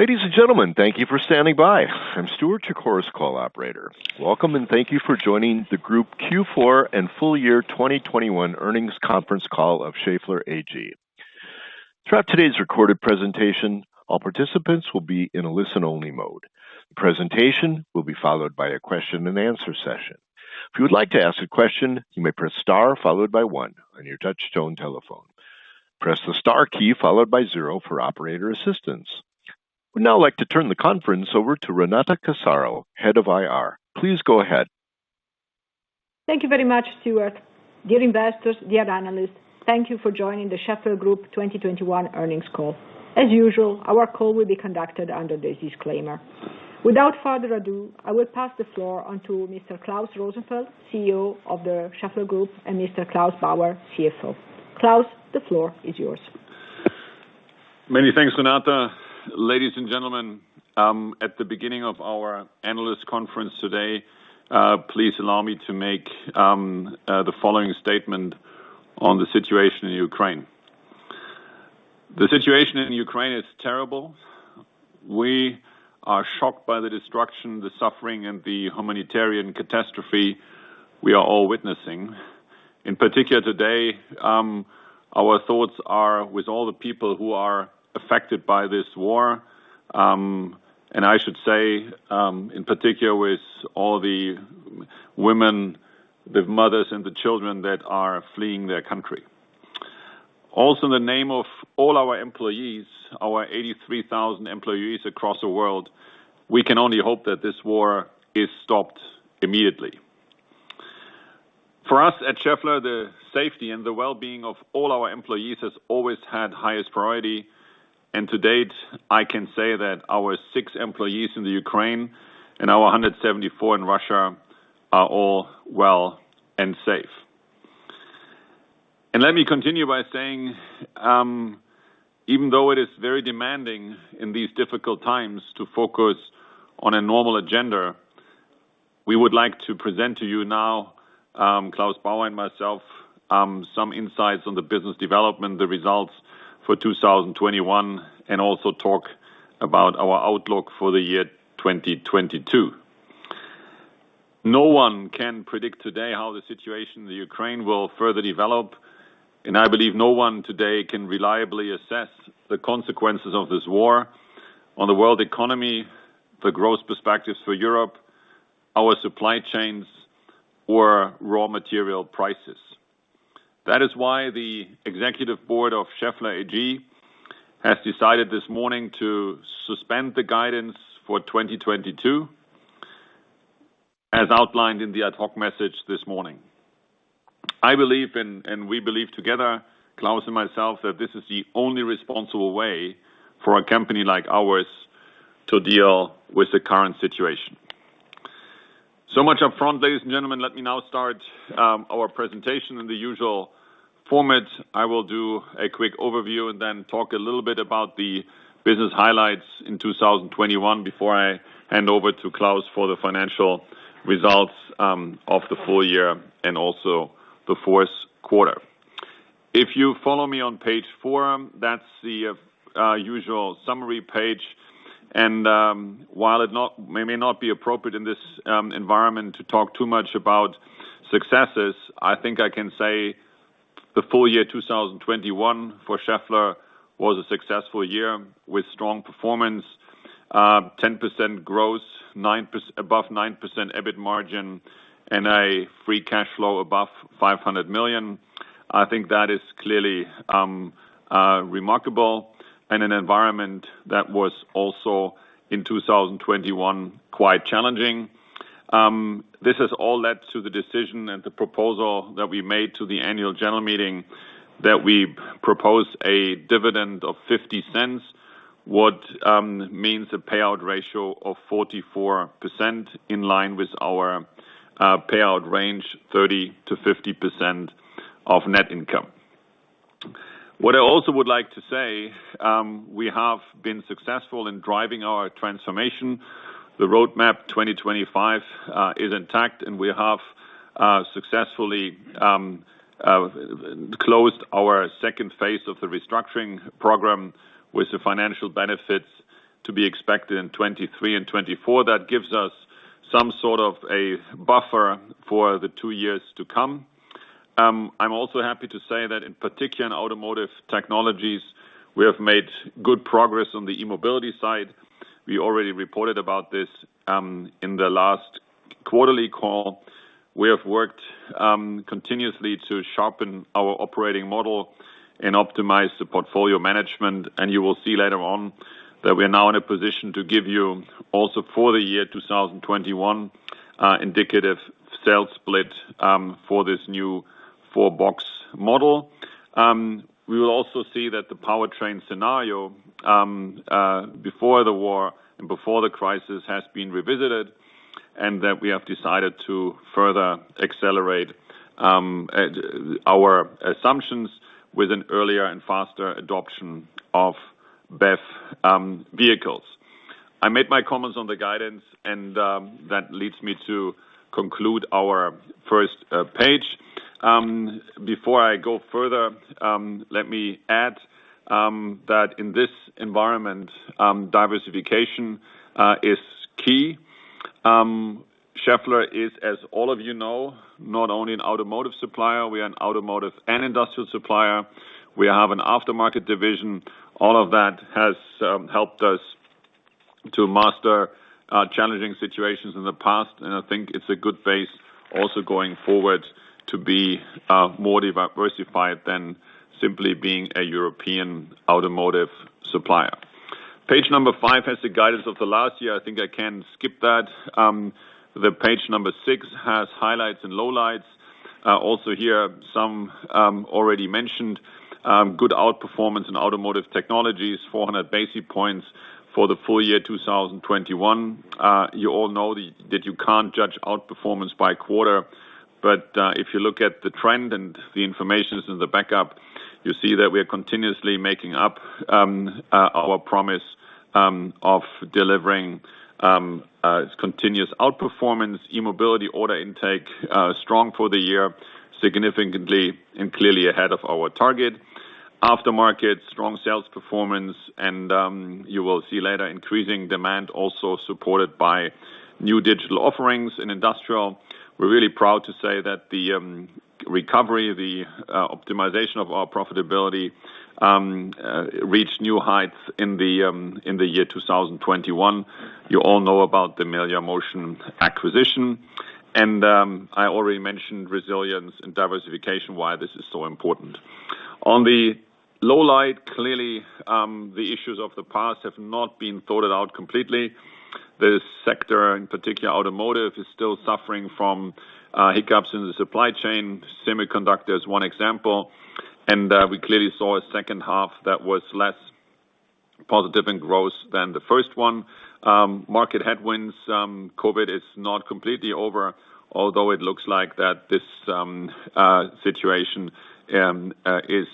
Ladies and gentlemen, thank you for standing by. I'm Stuart, your Chorus Call operator. Welcome, and thank you for joining the Group Q4 and full year 2021 earnings conference call of Schaeffler AG. Throughout today's recorded presentation, all participants will be in a listen-only mode. The presentation will be followed by a question and answer session. If you would like to ask a question, you may press Star, followed by one on your touchtone telephone. Press the star key followed by zero for operator assistance. I would now like to turn the conference over to Renata Casaro, Head of IR. Please go ahead. Thank you very much, Stuart. Dear investors, dear analysts, thank you for joining the Schaeffler Group 2021 earnings call. As usual, our call will be conducted under this disclaimer. Without further ado, I will pass the floor on to Mr. Klaus Rosenfeld, CEO of the Schaeffler Group, and Mr. Claus Bauer, CFO. Klaus, the floor is yours. Many thanks, Renata. Ladies and gentlemen, at the beginning of our analyst conference today, please allow me to make the following statement on the situation in Ukraine. The situation in Ukraine is terrible. We are shocked by the destruction, the suffering, and the humanitarian catastrophe we are all witnessing. In particular today, our thoughts are with all the people who are affected by this war, and I should say, in particular, with all the women, the mothers, and the children that are fleeing their country. Also, in the name of all our employees, our 83,000 employees across the world, we can only hope that this war is stopped immediately. For us at Schaeffler, the safety and the well-being of all our employees has always had highest priority, and to date, I can say that our six employees in the Ukraine and our 174 in Russia are all well and safe. Let me continue by saying, even though it is very demanding in these difficult times to focus on a normal agenda, we would like to present to you now, Claus Bauer and myself, some insights on the business development, the results for 2021, and also talk about our outlook for the year 2022. No one can predict today how the situation in the Ukraine will further develop, and I believe no one today can reliably assess the consequences of this war on the world economy, the growth perspectives for Europe, our supply chains or raw material prices. That is why the executive board of Schaeffler AG has decided this morning to suspend the guidance for 2022, as outlined in the ad hoc message this morning. I believe and we believe together, Klaus and myself, that this is the only responsible way for a company like ours to deal with the current situation. Much upfront, ladies and gentlemen. Let me now start our presentation in the usual format. I will do a quick overview and then talk a little bit about the business highlights in 2021 before I hand over to Klaus for the financial results of the full year and also the fourth quarter. If you follow me on page four, that's the usual summary page. While it may not be appropriate in this environment to talk too much about successes, I think I can say the full year result 2021 for Schaeffler was a successful year with strong performance, 10% growth, above 9% EBIT margin, and a free cash flow above 500 million. I think that is clearly remarkable in an environment that was also, in 2021, quite challenging. This has all led to the decision and the proposal that we made to the annual general meeting, that we propose a dividend of 0.50, which means a payout ratio of 44% in line with our payout range, 30%-50% of net income. What I also would like to say, we have been successful in driving our transformation. The Roadmap 2025 is intact, and we have successfully closed our second phase of the restructuring program with the financial benefits to be expected in 2023 and 2024. That gives us some sort of a buffer for the two years to come. I'm also happy to say that in particular in Automotive Technologies, we have made good progress on the E-Mobility side. We already reported about this in the last quarterly call. We have worked continuously to sharpen our operating model and optimize the portfolio management. You will see later on that we are now in a position to give you also for the year 2021 indicative sales split for this new four-box model. We will also see that the powertrain scenario before the war and before the crisis has been revisited, and that we have decided to further accelerate our assumptions with an earlier and faster adoption of BEV vehicles. I made my comments on the guidance, and that leads me to conclude our first page. Before I go further, let me add that in this environment diversification is key. Schaeffler is, as all of you know, not only an automotive supplier, we are an automotive and industrial supplier. We have an aftermarket division. All of that has helped us to master challenging situations in the past. I think it's a good base also going forward to be more diversified than simply being a European automotive supplier. Page number five has the guidance of the last year. I think I can skip that. The page number six has highlights and lowlights. Also here, some already mentioned good outperformance in Automotive Technologies, 400 basis points for the full year 2021. You all know that you can't judge outperformance by quarter. If you look at the trend and the information in the backup, you see that we are continuously making up our promise of delivering continuous outperformance. E-Mobility order intake strong for the year, significantly and clearly ahead of our target. Aftermarket, strong sales performance, and you will see later increasing demand also supported by new digital offerings. In Industrial, we're really proud to say that the recovery, the optimization of our profitability reached new heights in the year 2021. You all know about the Melior Motion acquisition. I already mentioned resilience and diversification, why this is so important. On the lowlight, clearly, the issues of the past have not been sorted out completely. The sector, in particular Automotive, is still suffering from hiccups in the supply chain. Semiconductor is one example. We clearly saw a second half that was less positive in growth than the first one. Market headwinds. COVID is not completely over, although it looks like that this situation is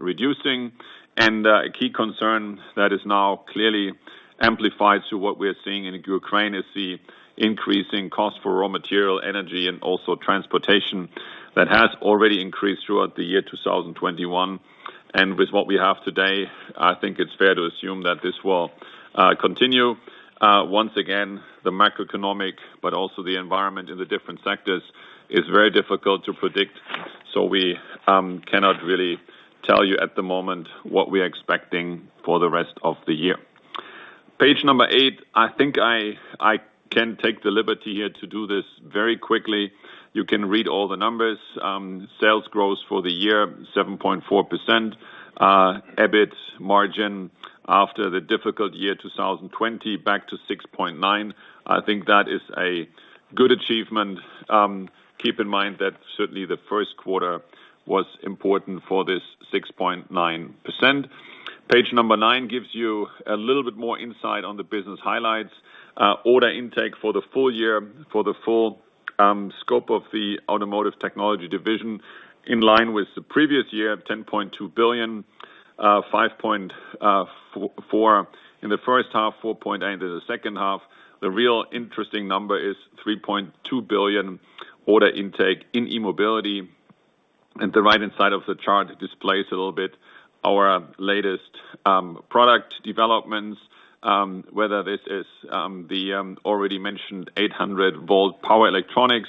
reducing. A key concern that is now clearly amplified to what we're seeing in Ukraine is the increasing cost for raw material, energy, and also transportation that has already increased throughout the year 2021. With what we have today, I think it's fair to assume that this will continue. Once again, the macroeconomic, but also the environment in the different sectors is very difficult to predict. We cannot really tell you at the moment what we're expecting for the rest of the year. Page number eight, I think I can take the liberty here to do this very quickly. You can read all the numbers. Sales growth for the year, 7.4%. EBIT margin after the difficult year 2020, back to 6.9%. I think that is a good achievement. Keep in mind that certainly the first quarter was important for this 6.9%. Page nine gives you a little bit more insight on the business highlights. Order intake for the full year for the full scope of the Automotive Technologies Division in line with the previous year, 10.2 billion, 5.4 billion in the first half, 4.8 billion in the second half. The real interesting number is 3.2 billion order intake in E-Mobility. At the right-hand side of the chart, it displays a little bit our latest product developments, whether this is the already mentioned 800V power electronics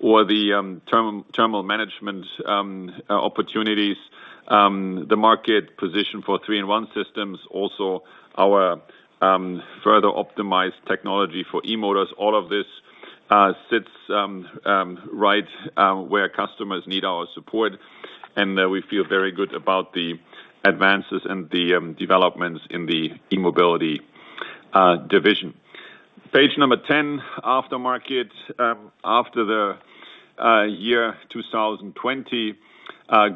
or the thermal management opportunities, the market position for 3-in-1 systems, also our further optimized technology for e-motors. All of this sits right where customers need our support, and we feel very good about the advances and the developments in the E-Mobility division. Page 10, Aftermarket. After the 2020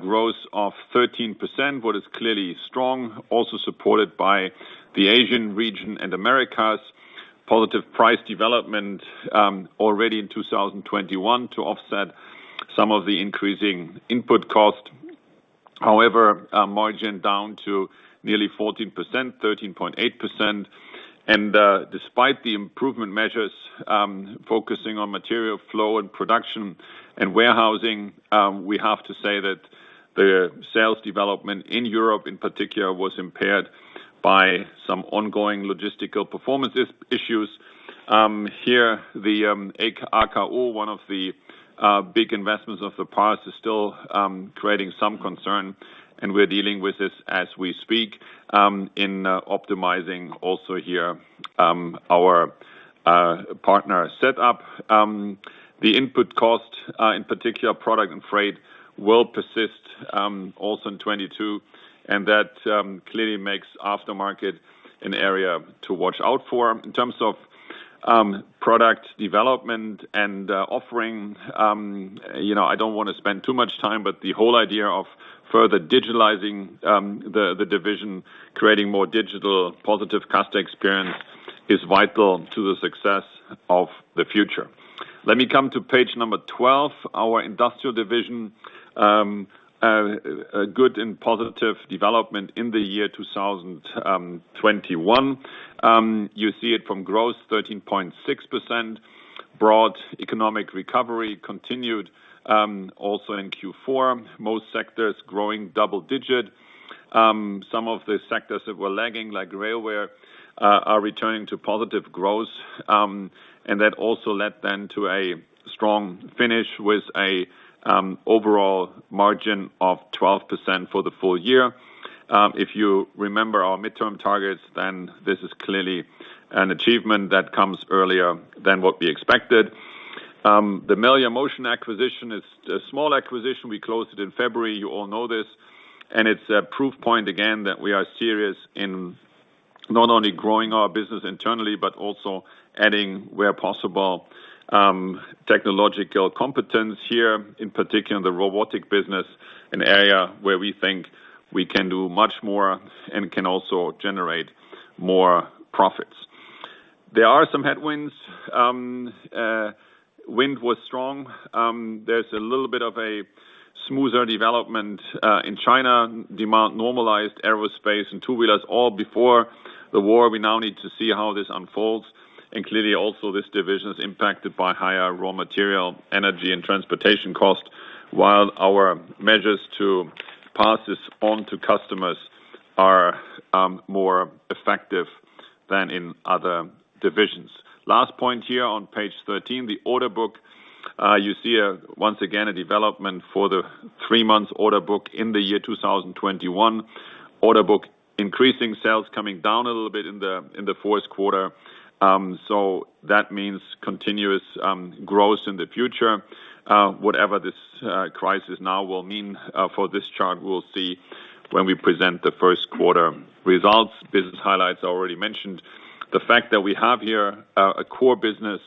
growth of 13%, what is clearly strong, also supported by the Asian region and Americas. Positive price development already in 2021 to offset some of the increasing input cost. However, margin down to nearly 14%, 13.8%. Despite the improvement measures focusing on material flow and production and warehousing, we have to say that the sales development in Europe in particular was impaired by some ongoing logistical performance issues. Here, the RKO, one of the big investments of the past is still creating some concern, and we're dealing with this as we speak, in optimizing also here our partner setup. The input cost, in particular product and freight will persist, also in 2022, and that clearly makes Aftermarket an area to watch out for. In terms of product development and offering, you know, I don't wanna spend too much time, but the whole idea of further digitalizing the division, creating more digital positive customer experience is vital to the success of the future. Let me come to page 12. Our industrial division, a good and positive development in the year 2021. You see it from growth 13.6%. Broad economic recovery continued also in Q4. Most sectors growing double-digit. Some of the sectors that were lagging, like railway, are returning to positive growth. That also led then to a strong finish with an overall margin of 12% for the full year. If you remember our mid-term targets, then this is clearly an achievement that comes earlier than what we expected. The Melior Motion acquisition is a small acquisition. We closed it in February. You all know this, and it's a proof point again that we are serious in not only growing our business internally, but also adding where possible technological competence here, in particular, the robotic business, an area where we think we can do much more and can also generate more profits. There are some headwinds. Wind was strong. There's a little bit of a smoother development in China. Demand normalized in aerospace and two-wheelers all before the war. We now need to see how this unfolds. Clearly also this division is impacted by higher raw material, energy, and transportation costs, while our measures to pass this on to customers are more effective than in other divisions. Last point here on page 13, the order book. You see, once again, a development for the three-month order book in the year 2021. Order book increasing sales coming down a little bit in the fourth quarter. That means continuous growth in the future. Whatever this crisis now will mean for this chart, we'll see when we present the first quarter results. Business highlights, I already mentioned. The fact that we have here a core business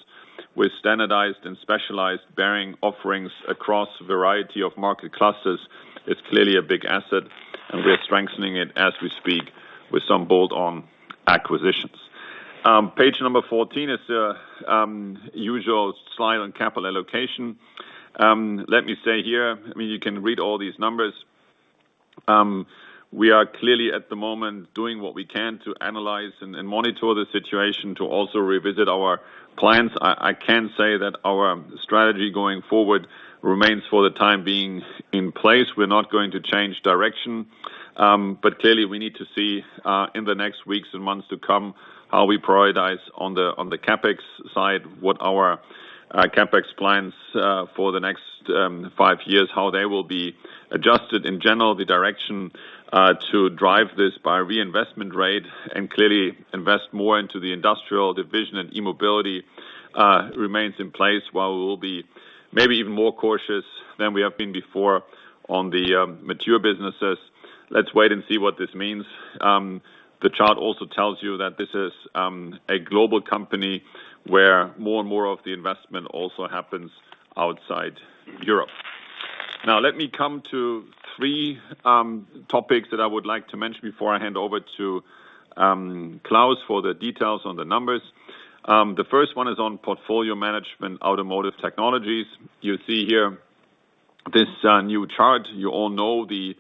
with standardized and specialized bearing offerings across a variety of market clusters, it's clearly a big asset, and we are strengthening it as we speak with some bolt-on acquisitions. Page number 14 is the usual slide on capital allocation. Let me say here, I mean, you can read all these numbers. We are clearly at the moment doing what we can to analyze and monitor the situation to also revisit our plans. I can say that our strategy going forward remains for the time being in place. We're not going to change direction. Clearly we need to see in the next weeks and months to come, how we prioritize on the CapEx side, what our CapEx plans for the next five years, how they will be adjusted. In general, the direction to drive this by reinvestment rate and clearly invest more into the Industrial division and E-Mobility remains in place while we will be maybe even more cautious than we have been before on the mature businesses. Let's wait and see what this means. The chart also tells you that this is a global company where more and more of the investment also happens outside Europe. Now, let me come to three topics that I would like to mention before I hand over to Klaus for the details on the numbers. The first one is on portfolio management, Automotive Technologies. You see here this new chart. You all know the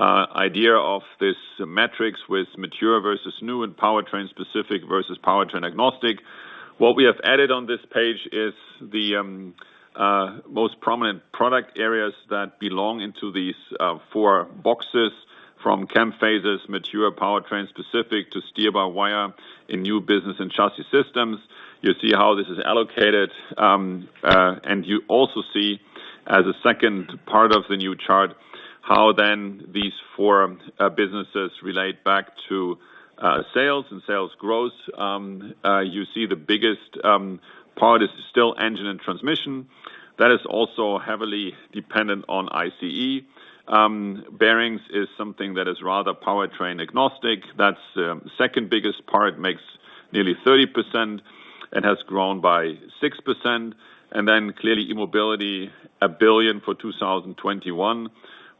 idea of this metrics with mature versus new and powertrain-specific versus powertrain-agnostic. What we have added on this page is the most prominent product areas that belong into these four boxes from cam phasers, mature powertrain-specific to steer-by-wire in new business and chassis systems. You see how this is allocated, and you also see as a second part of the new chart, how then these four businesses relate back to sales and sales growth. You see the biggest part is still engine and transmission. That is also heavily dependent on ICE. Bearings is something that is rather powertrain agnostic. That's the second biggest part, makes nearly 30% and has grown by 6%. Clearly, e-mobility, 1 billion for 2021.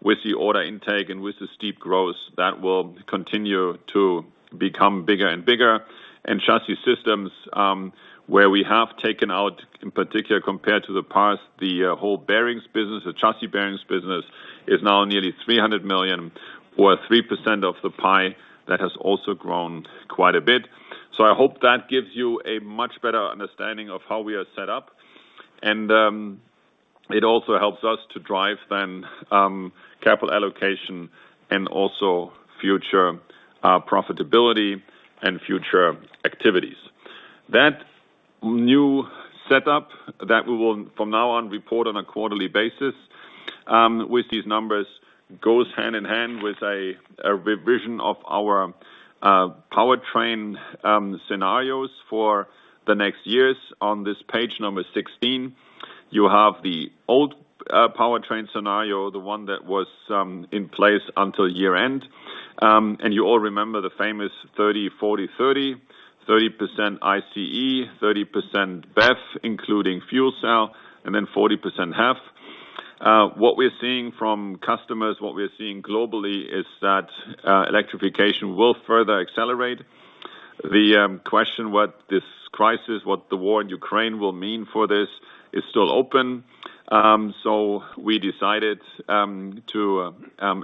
With the order intake and with the steep growth, that will continue to become bigger and bigger. Chassis systems, where we have taken out, in particular, compared to the past, the whole bearings business, the chassis bearings business is now nearly 300 million, or 3% of the pie that has also grown quite a bit. I hope that gives you a much better understanding of how we are set up. It also helps us to drive then, capital allocation and also future profitability and future activities. That new setup that we will from now on report on a quarterly basis, with these numbers goes hand in hand with a revision of our powertrain scenarios for the next years. On this page number 16, you have the old powertrain scenario, the one that was in place until year-end. You all remember the famous 30, 40, 30. 30% ICE, 30% BEV, including fuel cell, and then 40% HEV. What we're seeing from customers, what we're seeing globally is that electrification will further accelerate. The question what this crisis, what the war in Ukraine will mean for this is still open. We decided to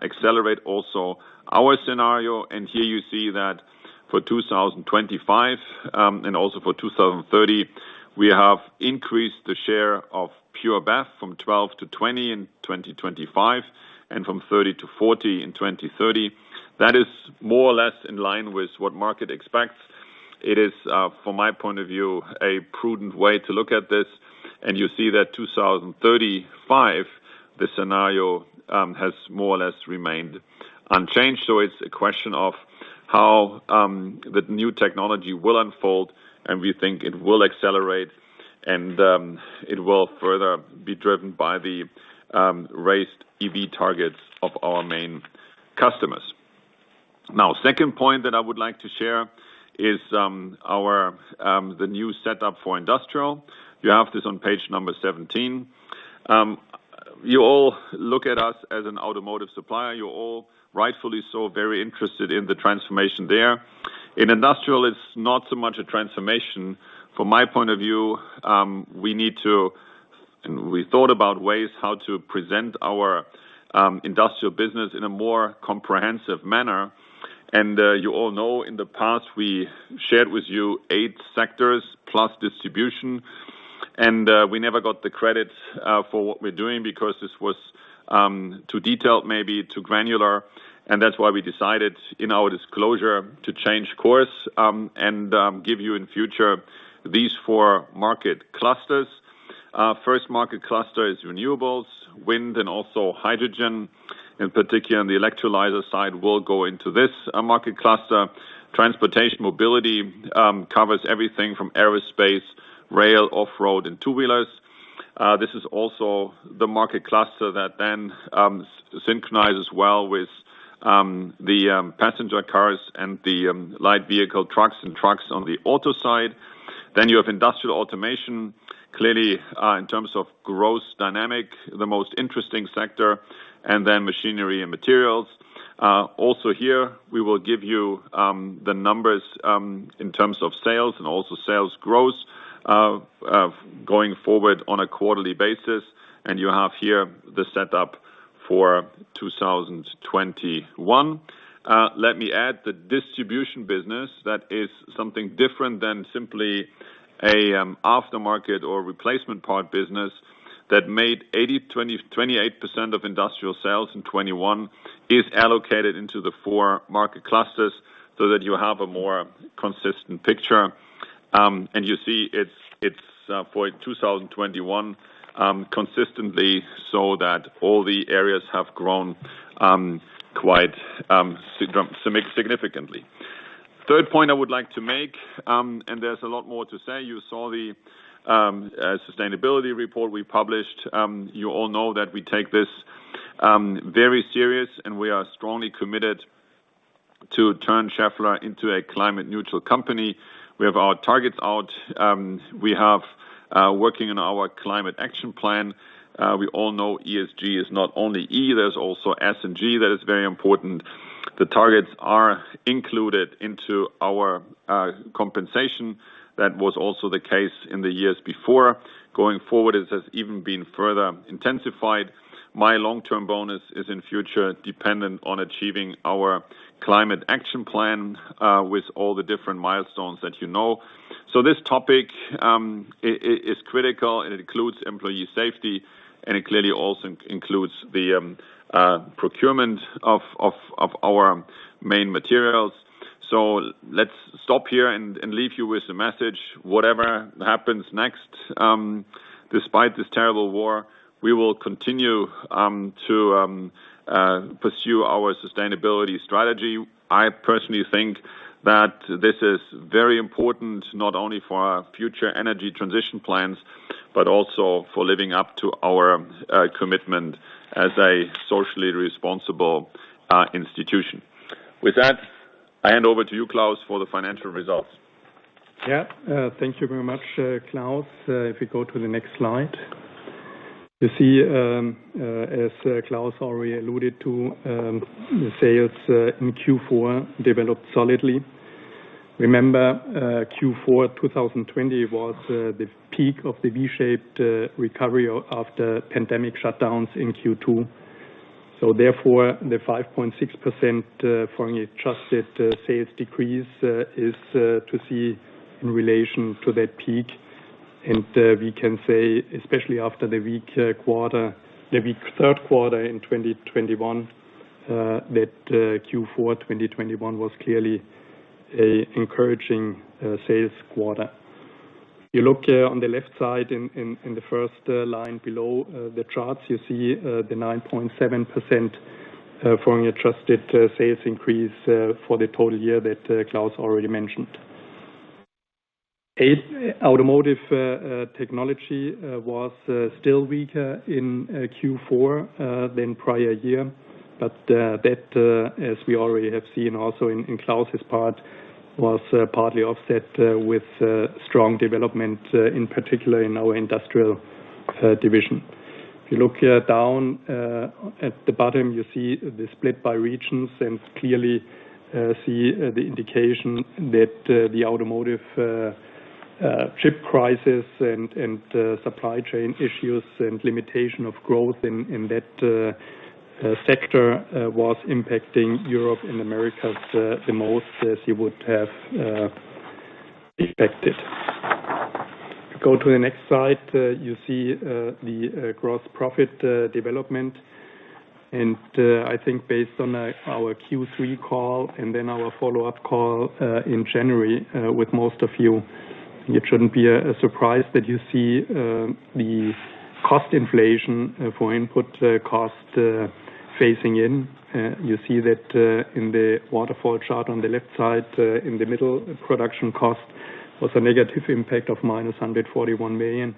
accelerate also our scenario. Here you see that for 2025, and also for 2030, we have increased the share of pure BEV from 12 to 20 in 2025 and from 30 to 40 in 2030. That is more or less in line with what market expects. It is, from my point of view, a prudent way to look at this. You see that 2035, the scenario, has more or less remained unchanged. It's a question of how the new technology will unfold, and we think it will accelerate and it will further be driven by the raised EV targets of our main customers. Now, second point that I would like to share is the new setup for Industrial. You have this on page 17. You all look at us as an automotive supplier. You're all rightfully so very interested in the transformation there. In Industrial, it's not so much a transformation. From my point of view, we thought about ways how to present our Industrial business in a more comprehensive manner. You all know in the past, we shared with you eight sectors plus distribution. We never got the credit for what we're doing because this was too detailed, maybe too granular. That's why we decided in our disclosure to change course and give you in future these four market clusters. First market cluster is Renewables, wind, and also hydrogen. In particular, on the electrolyzer side will go into this market cluster. Transportation & Mobility covers everything from aerospace, rail, off-road, and two-wheelers. This is also the market cluster that then synchronizes well with the passenger cars and the light vehicle trucks and trucks on the auto side. You have Industrial Automation, clearly, in terms of growth dynamic, the most interesting sector, and then Machinery & Materials. Also here, we will give you the numbers in terms of sales and also sales growth going forward on a quarterly basis. You have here the setup for 2021. Let me add the distribution business. That is something different than simply an aftermarket or replacement part business that made up 28% of Industrial sales in 2021 is allocated into the four market clusters so that you have a more consistent picture. You see it's for 2021 consistently so that all the areas have grown quite significantly. Third point I would like to make and there's a lot more to say. You saw the Sustainability Report we published. You all know that we take this very serious, and we are strongly committed to turn Schaeffler into a climate neutral company. We have our targets out. We are working on our climate action plan. We all know ESG is not only E, there's also S and G. That is very important. The targets are included into our compensation. That was also the case in the years before. Going forward, it has even been further intensified. My long-term bonus is in future dependent on achieving our climate action plan with all the different milestones that you know. This topic is critical and includes employee safety, and it clearly also includes the procurement of our main materials. Let's stop here and leave you with a message. Whatever happens next, despite this terrible war, we will continue to pursue our sustainability strategy. I personally think that this is very important not only for our future energy transition plans, but also for living up to our commitment as a socially responsible institution. With that, I hand over to you, Claus, for the financial results. Yeah. Thank you very much, Klaus. If we go to the next slide. You see, as Klaus already alluded to, the sales in Q4 developed solidly. Remember, Q4 2020 was the peak of the V-shaped recovery of the pandemic shutdowns in Q2. Therefore, the 5.6% FX-adjusted sales decrease is to be seen in relation to that peak. We can say, especially after the weak quarter, the weak third quarter in 2021, that Q4 2021 was clearly an encouraging sales quarter. You look on the left side in the first line below the charts, you see the 9.7% FX-adjusted sales increase for the total year that Claus already mentioned. Automotive Technologies was still weaker in Q4 than prior year. That, as we already have seen also in Claus' part, was partly offset with strong development, in particular in our Industrial division. If you look down at the bottom, you see the split by regions, and clearly see the indication that the automotive chip crisis and supply chain issues and limitation of growth in that sector was impacting Europe and Americas the most, as you would have expected. Go to the next slide. You see the gross profit development. I think based on our Q3 call and then our follow-up call in January with most of you, it shouldn't be a surprise that you see the cost inflation for input costs phasing in. You see that in the waterfall chart on the left side in the middle, production cost was a negative impact of -141 million.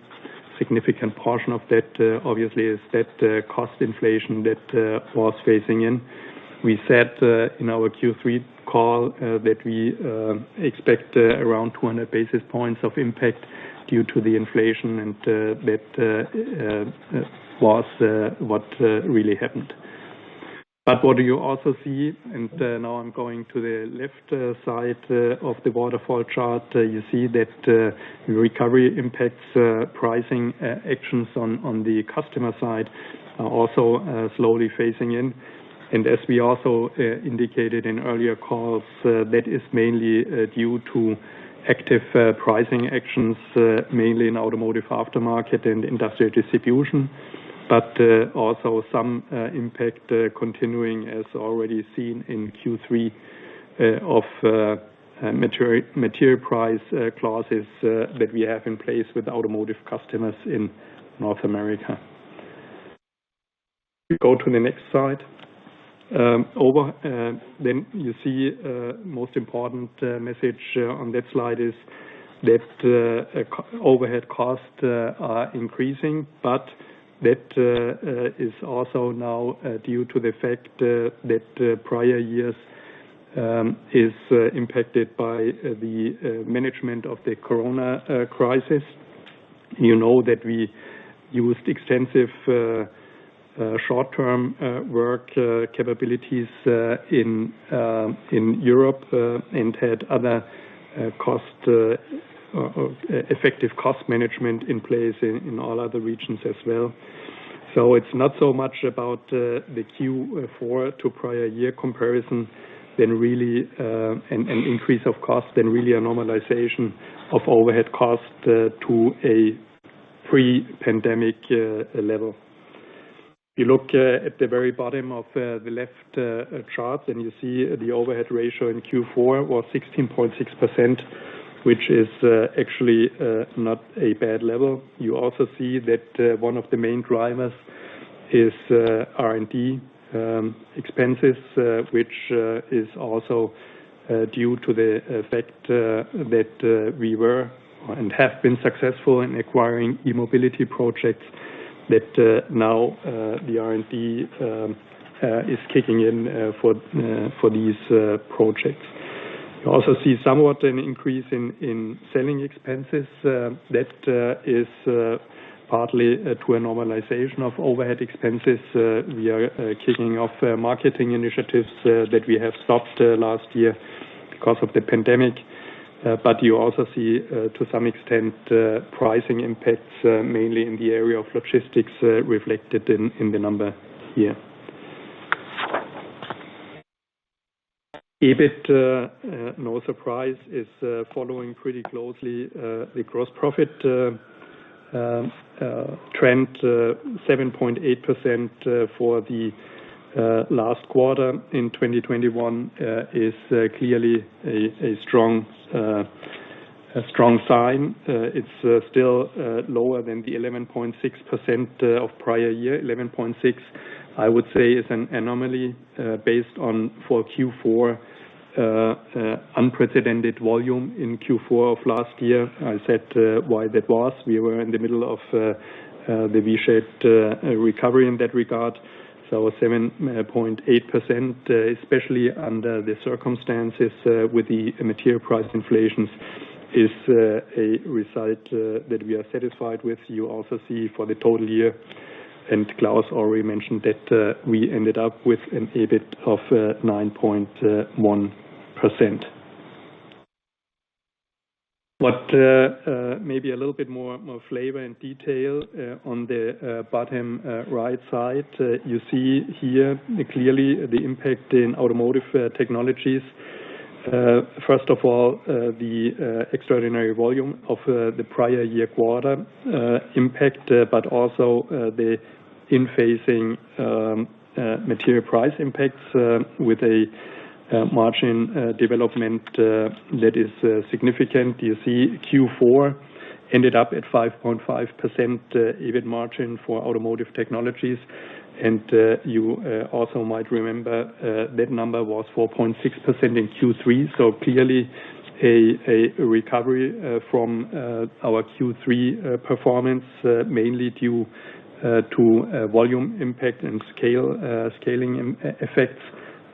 Significant portion of that obviously is that cost inflation that was phasing in. We said in our Q3 call that we expect around 200 basis points of impact due to the inflation and that was what really happened. What you also see, now I'm going to the left side of the waterfall chart, you see that recovery impacts pricing actions on the customer side are also slowly phasing in. As we also indicated in earlier calls, that is mainly due to active pricing actions mainly in Automotive Aftermarket and industrial distribution. Also some impact continuing as already seen in Q3 of material price clauses that we have in place with automotive customers in North America. We go to the next slide. Overall, then you see, most important message on that slide is that overhead costs are increasing, but that is also now due to the fact that prior years is impacted by the management of the corona crisis. You know that we used extensive short-term work capabilities in Europe and had other cost or effective cost management in place in all other regions as well. It's not so much about the Q4 to prior year comparison than really an increase of cost than really a normalization of overhead costs to a pre-pandemic level. You look at the very bottom of the left chart, and you see the overhead ratio in Q4 was 16.6%, which is actually not a bad level. You also see that one of the main drivers is R&D expenses, which is also due to the effect that we were and have been successful in acquiring E-Mobility projects that now the R&D is kicking in for these projects. You also see somewhat an increase in selling expenses. That is partly to a normalization of overhead expenses. We are kicking off marketing initiatives that we have stopped last year because of the pandemic. You also see, to some extent, pricing impacts, mainly in the area of logistics, reflected in the number here. EBIT, no surprise, is following pretty closely the gross profit trend, 7.8% for the last quarter in 2021, is clearly a strong sign. It's still lower than the 11.6% of prior year. Eleven point six, I would say is an anomaly, based on unprecedented volume in Q4 of last year. I said why that was. We were in the middle of the V-shaped recovery in that regard. 7.8%, especially under the circumstances with the material price inflation, is a result that we are satisfied with. You also see for the total year, and Claus already mentioned that, we ended up with an EBIT of 9.1%. Maybe a little bit more flavor and detail on the bottom right side. You see here clearly the impact in Automotive Technologies. First of all, the extraordinary volume of the prior year quarter impact, but also the in-phasing material price impacts with a margin development that is significant. You see Q4 ended up at 5.5% EBIT margin for Automotive Technologies. You also might remember that number was 4.6% in Q3. Clearly a recovery from our Q3 performance mainly due to volume impact and scaling effects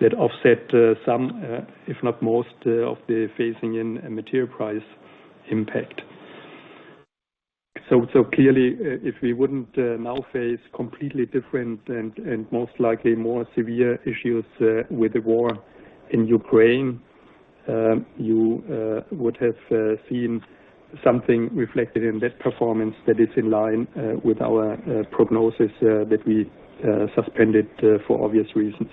that offset some, if not most, of the phasing in material price impact. Clearly, if we wouldn't now face completely different and most likely more severe issues with the war in Ukraine, you would have seen something reflected in that performance that is in line with our prognosis that we suspended for obvious reasons.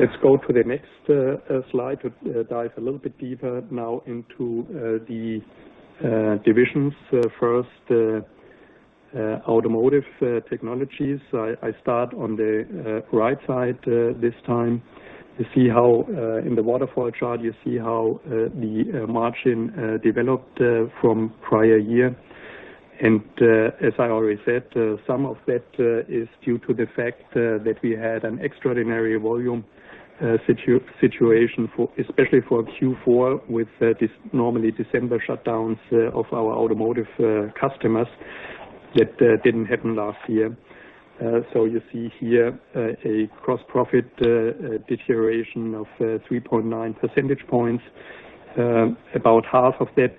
Let's go to the next slide to dive a little bit deeper now into the divisions. First, Automotive Technologies. I start on the right side this time to see how in the waterfall chart, you see how the margin developed from prior year. As I already said, some of that is due to the fact that we had an extraordinary volume situation for, especially for Q4 with this normally December shutdowns of our automotive customers that didn't happen last year. You see here a gross profit deterioration of 3.9 percentage points. About half of that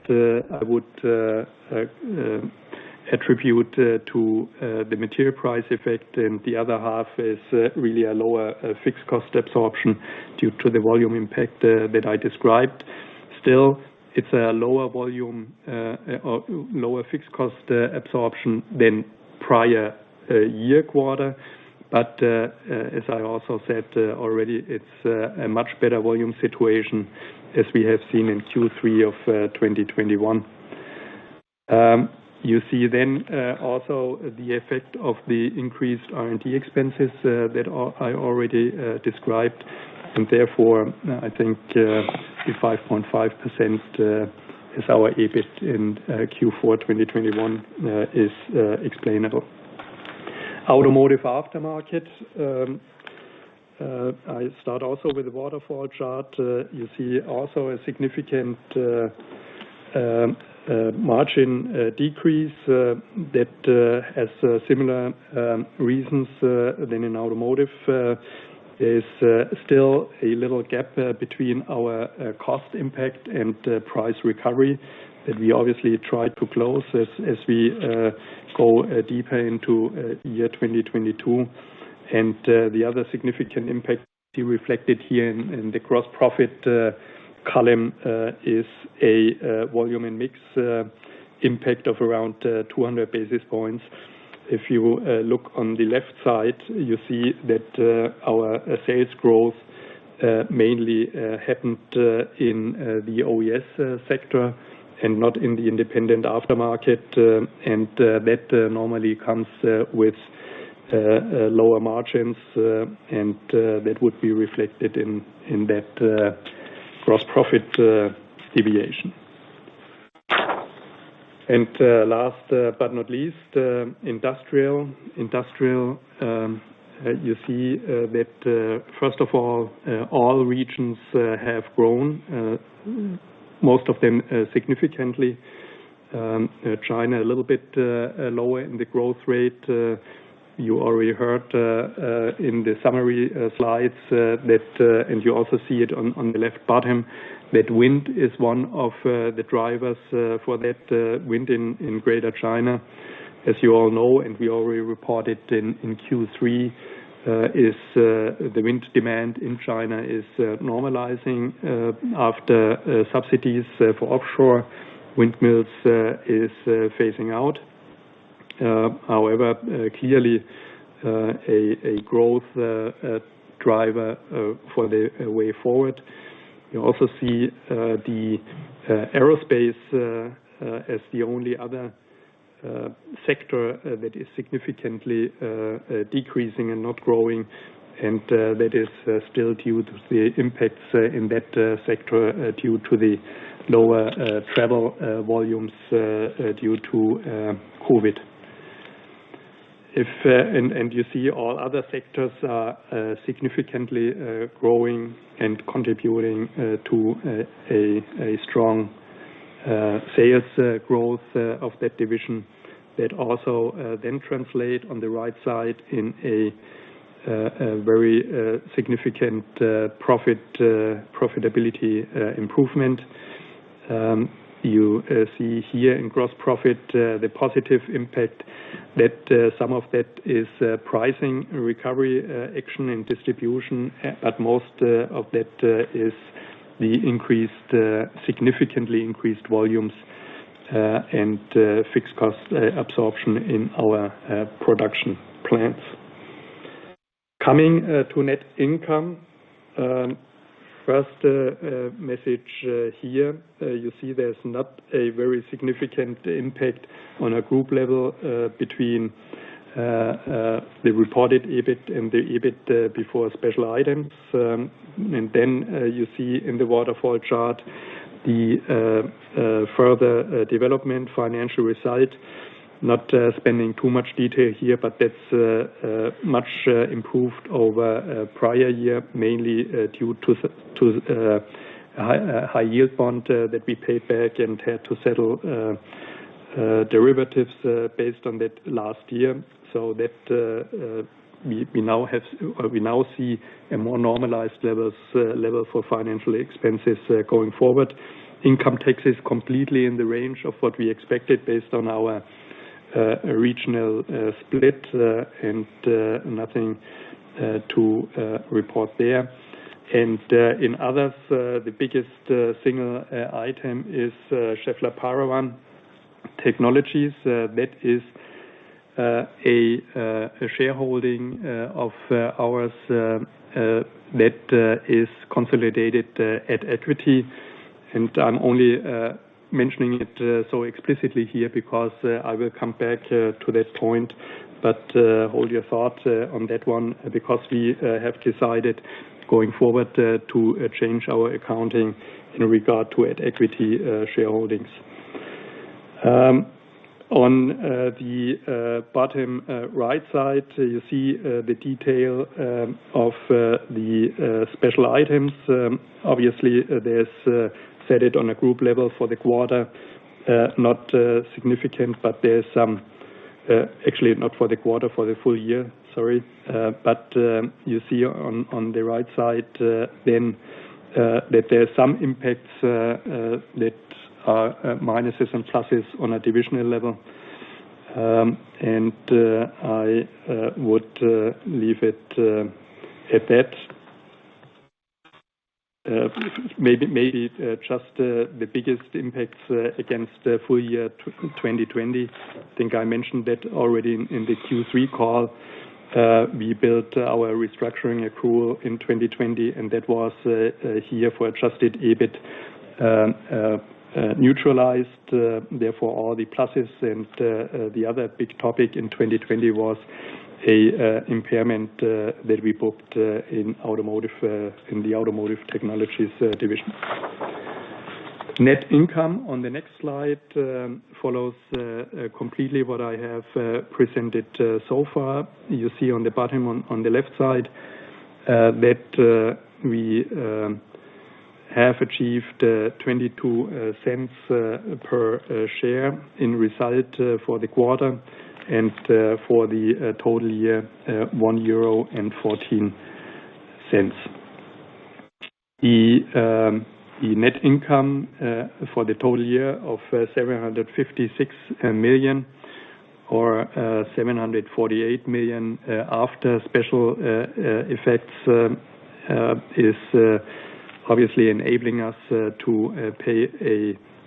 I would attribute to the material price effect, and the other half is really a lower fixed cost absorption due to the volume impact that I described. Still, it's a lower volume or lower fixed cost absorption than prior-year quarter. As I also said already, it's a much better volume situation as we have seen in Q3 of 2021. You see then also the effect of the increased R&D expenses that I already described, and therefore I think the 5.5%, our EBIT in Q4 2021, is explainable. Automotive Aftermarket. I start also with the waterfall chart. You see also a significant margin decrease that has similar reasons than in Automotive. There's still a little gap between our cost impact and price recovery that we obviously try to close as we go deeper into year 2022. The other significant impact reflected here in the gross profit column is a volume and mix impact of around 200 basis points. If you look on the left side, you see that our sales growth mainly happened in the OES sector and not in the independent aftermarket. That normally comes with lower margins and that would be reflected in that gross profit deviation. Last but not least, industrial. Industrial, you see that first of all all regions have grown, most of them significantly. China a little bit lower in the growth rate. You already heard in the summary slides that and you also see it on the left bottom that wind is one of the drivers for that wind in Greater China. As you all know, we already reported in Q3, the wind demand in China is normalizing after subsidies for offshore windmills is phasing out. However, clearly a growth driver for the way forward. You also see the aerospace as the only other sector that is significantly decreasing and not growing. That is still due to the impacts in that sector due to the lower travel volumes due to COVID. You see all other sectors are significantly growing and contributing to a strong sales growth of that division. That also then translate on the right side in a very significant profitability improvement. You see here in gross profit the positive impact that some of that is pricing recovery action and distribution, but most of that is the significantly increased volumes and fixed cost absorption in our production plants. Coming to net income. The first message here, you see there's not a very significant impact on a group level between the reported EBIT and the EBIT before special items. You see in the waterfall chart the further development financial result. Not spending too much detail here, but that's much improved over prior year, mainly due to a high yield bond that we paid back and had to settle derivatives based on that last year. So that we now see a more normalized level for financial expenses going forward. Income tax is completely in the range of what we expected based on our regional split and nothing to report there. In others, the biggest single item is Schaeffler Paravan Technologie. That is a shareholding of ours that is consolidated at equity. I'm only mentioning it so explicitly here because I will come back to that point. Hold your thoughts on that one because we have decided going forward to change our accounting in regard to at equity shareholdings. On the bottom right side, you see the detail of the special items. Obviously there's a set-off on a group level for the quarter. Not significant, but there's some, actually not for the quarter, for the full year. Sorry. You see on the right side then that there are some impacts that are minuses and pluses on a divisional level. I would leave it at that. Maybe just the biggest impacts against the full year 2020. I think I mentioned that already in the Q3 call. We built our restructuring accrual in 2020, and that was here for adjusted EBIT neutralized therefore all the pluses. The other big topic in 2020 was an impairment that we booked in automotive, in the Automotive Technologies division. Net income on the next slide follows completely what I have presented so far. You see on the bottom on the left side that we have achieved 0.22 per share in result for the quarter and for the total year 1.14 euro. The net income for the total year of 756 million or 748 million after special effects is obviously enabling us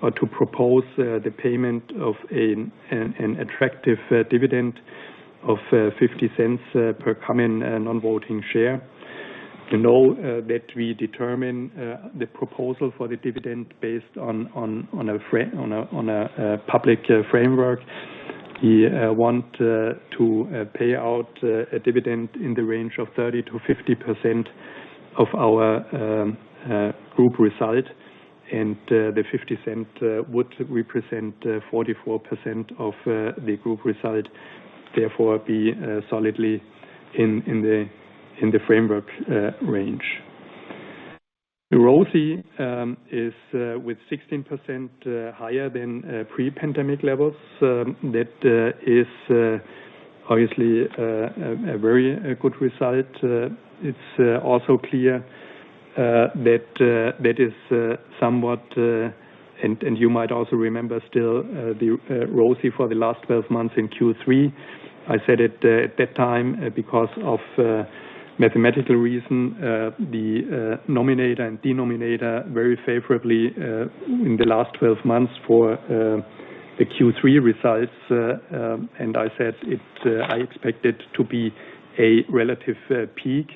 to propose the payment of an attractive dividend of 50 cents per common non-voting share. You know that we determine the proposal for the dividend based on a public framework. We want to pay out a dividend in the range of 30%-50% of our group result. The 50 cents would represent 44% of the group result. Therefore, it is solidly in the framework range. ROSI is with 16%, higher than pre-pandemic levels. That is obviously a very good result. It's also clear that that is somewhat, and you might also remember still the ROSI for the last 12 months in Q3. I said it at that time because of mathematical reason, the numerator and denominator very favorably in the last 12 months for the Q3 results. I said it, I expect it to be a relative peak.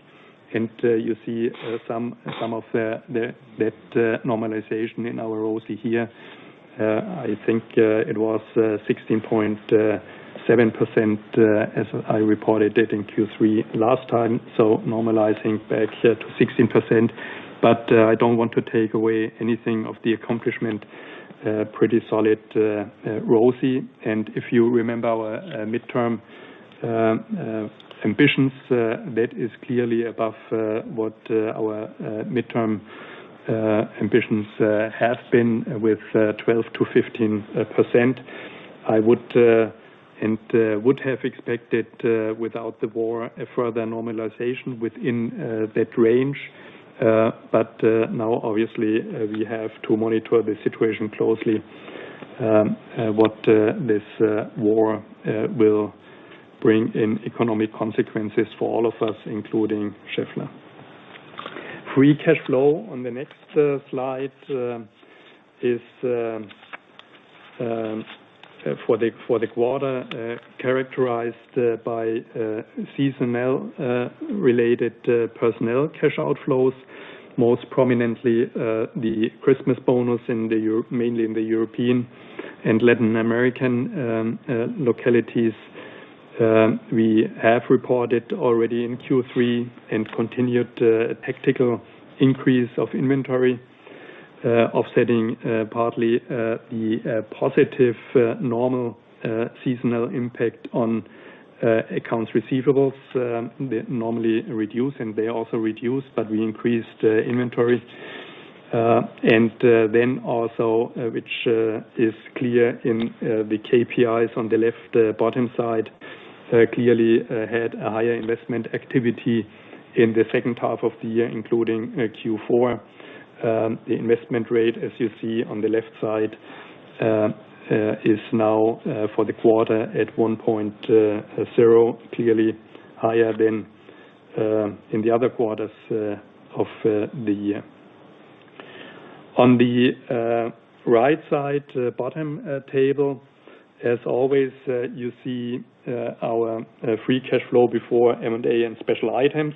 You see some of that normalization in our ROSI here. I think it was 16.7% as I reported it in Q3 last time. Normalizing back to 16%. I don't want to take away anything of the accomplishment. Pretty solid ROCE. If you remember our midterm ambitions, that is clearly above what our midterm ambitions have been with 12%-15%. I would have expected, without the war, a further normalization within that range. Now obviously we have to monitor the situation closely, what this war will bring in economic consequences for all of us, including Schaeffler. Free cash flow on the next slide is for the quarter characterized by seasonal related personnel cash outflows, most prominently the Christmas bonus mainly in the European and Latin American localities. We have reported already in Q3 and continued tactical increase of inventory offsetting partly the positive normal seasonal impact on accounts receivables. They normally reduce, and they also reduce, but we increased inventories. Which is clear in the KPIs on the left bottom side, clearly had a higher investment activity in the second half of the year, including Q4. The investment rate, as you see on the left side, is now for the quarter at 1.0, clearly higher than in the other quarters of the year. On the right side, bottom table, as always, you see our free cash flow before M&A and special items.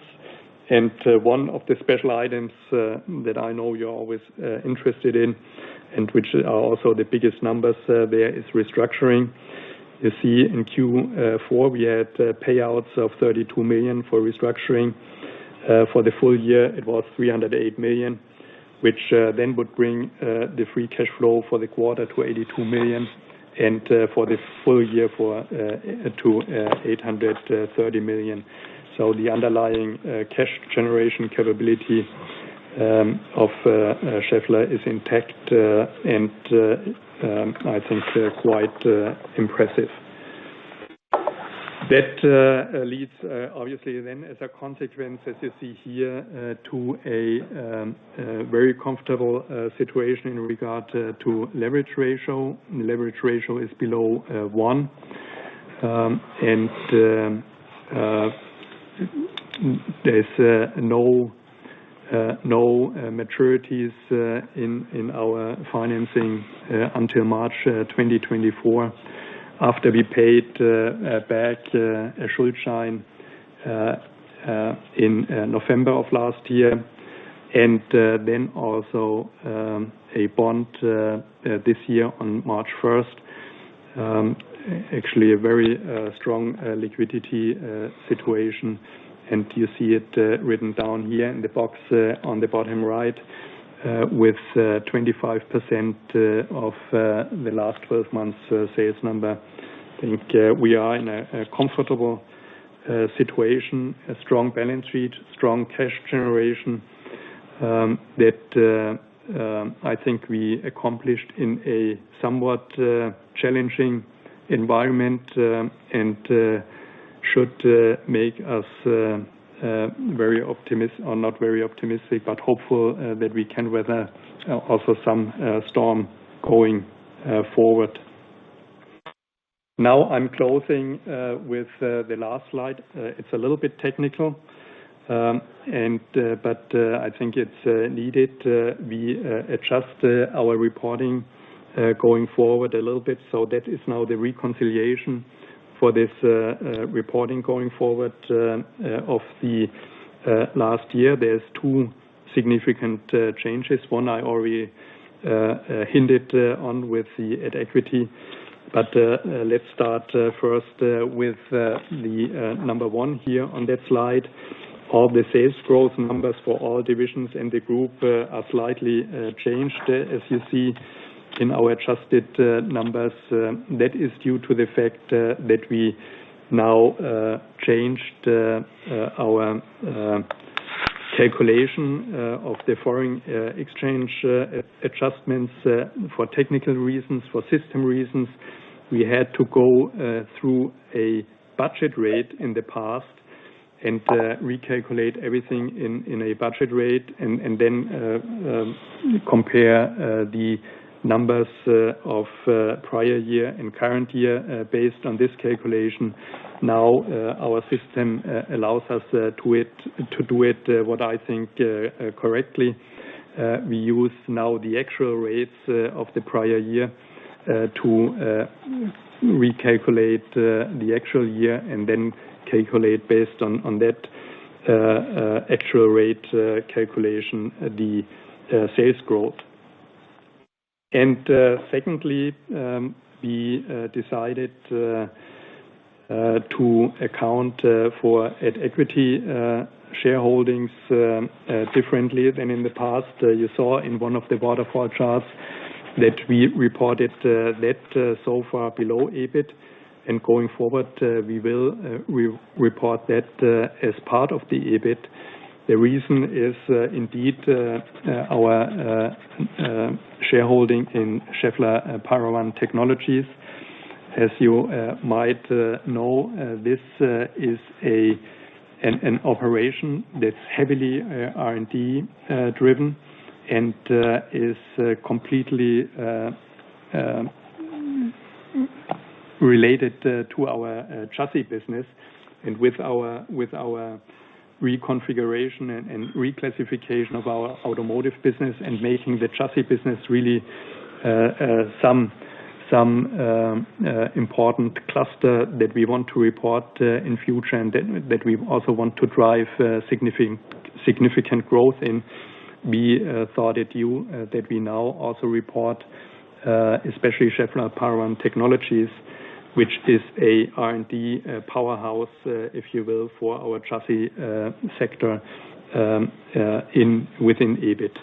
One of the special items that I know you're always interested in, and which are also the biggest numbers there, is restructuring. You see in Q4, we had payouts of 32 million for restructuring. For the full year, it was 308 million, which then would bring the free cash flow for the quarter to 82 million, and for the full year to 830 million. The underlying cash generation capability of Schaeffler is intact, and I think quite impressive. That leads obviously then as a consequence, as you see here, to a very comfortable situation in regard to leverage ratio. Leverage ratio is below one, and there's no maturities in our financing until March 2024, after we paid back Schuldschein in November of last year. Then also a bond this year on March 1st, actually a very strong liquidity situation. You see it written down here in the box on the bottom right with 25% of the last twelve months sales number. I think we are in a comfortable situation, a strong balance sheet, strong cash generation, that I think we accomplished in a somewhat challenging environment, and should make us or not very optimistic, but hopeful, that we can weather also some storm going forward. Now, I'm closing with the last slide. It's a little bit technical, but I think it's needed. We adjust our reporting going forward a little bit, so that is now the reconciliation for this reporting going forward of the last year. There's two significant changes. One I already hinted on with the at equity. Let's start first with the number one here on that slide. All the sales growth numbers for all divisions in the group are slightly changed, as you see in our adjusted numbers. That is due to the fact that we now changed our calculation of the foreign exchange adjustments for technical reasons, for system reasons. We had to go through a budget rate in the past and recalculate everything in a budget rate and then compare the numbers of prior year and current year based on this calculation. Now our system allows us to do it, what I think, correctly. We use now the actual rates of the prior year to recalculate the actual year and then calculate based on that actual rate calculation the sales growth. Secondly, we decided to account for at equity shareholdings differently than in the past. You saw in one of the waterfall charts that we reported that so far below EBIT, and going forward, we report that as part of the EBIT. The reason is indeed our shareholding in Schaeffler Paravan Technologie. As you might know, this is an operation that's heavily R&D driven and is completely related to our chassis business and with our reconfiguration and reclassification of our automotive business and making the chassis business really some important cluster that we want to report in future and that we also want to drive significant growth in. We thought that we now also report especially Schaeffler Paravan Technologie, which is a R&D powerhouse, if you will, for our chassis sector within EBIT.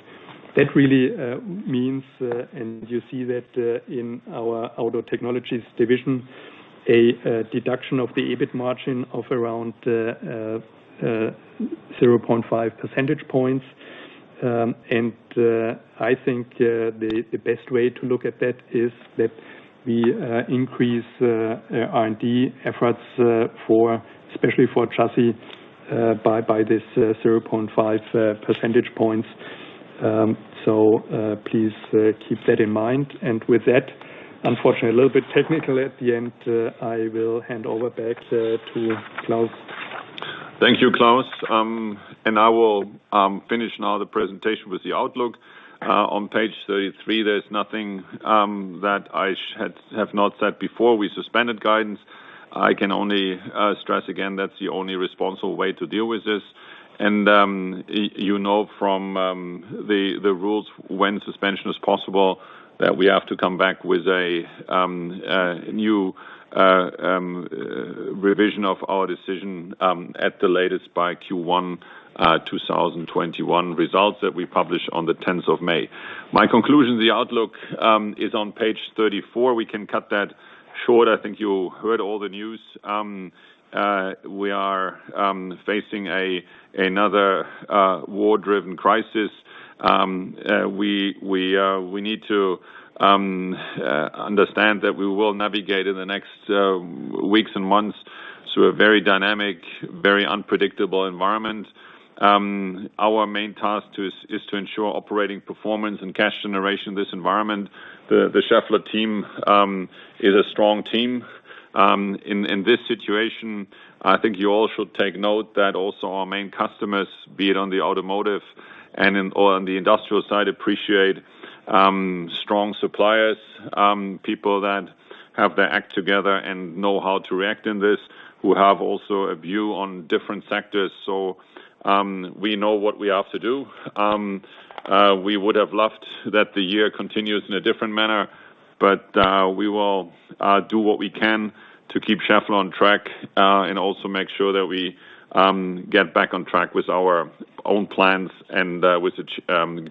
That really means, and you see that in our Automotive Technologies division, a deduction of the EBIT margin of around 0.5 percentage points. I think the best way to look at that is that we increase our R&D efforts especially for chassis by 0.5 percentage points. Please keep that in mind. With that, unfortunately, a little bit technical at the end, I will hand over back to Klaus. Thank you, Klaus. I will finish now the presentation with the outlook. On page 33, there's nothing that I have not said before. We suspended guidance. I can only stress again, that's the only responsible way to deal with this. You know from the rules when suspension is possible, that we have to come back with a new revision of our decision at the latest by Q1 2021 results that we publish on the tenth of May. My conclusion, the outlook, is on page 34. We can cut that short. I think you heard all the news. We are facing another war-driven crisis. We need to understand that we will navigate in the next weeks and months to a very dynamic, very unpredictable environment. Our main task is to ensure operating performance and cash generation in this environment. The Schaeffler team is a strong team. In this situation, I think you all should take note that also our main customers, be it on the automotive or on the industrial side, appreciate strong suppliers, people that have their act together and know how to react in this, who have also a view on different sectors. We know what we have to do. We would have loved that the year continues in a different manner, but we will do what we can to keep Schaeffler on track, and also make sure that we get back on track with our own plans and with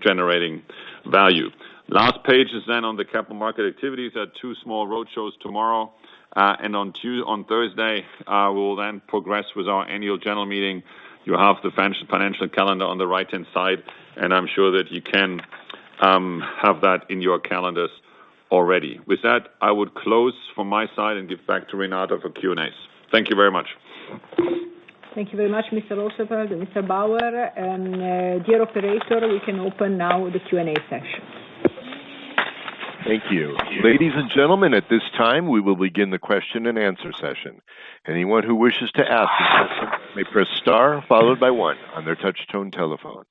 generating value. Last page is then on the capital market activities. There are two small roadshows tomorrow, and on Thursday, we'll then progress with our annual general meeting. You have the financial calendar on the right-hand side, and I'm sure that you can have that in your calendars already. With that, I would close from my side and give back to Renata for Q&As. Thank you very much. Thank you very much, Mr. Rosenfeld and Mr. Bauer. Dear operator, we can open now the Q&A session. Thank you. Ladies and gentlemen, at this time, we will begin the question and answer session. Anyone who wishes to ask a question may press star followed by one on their touch tone telephone.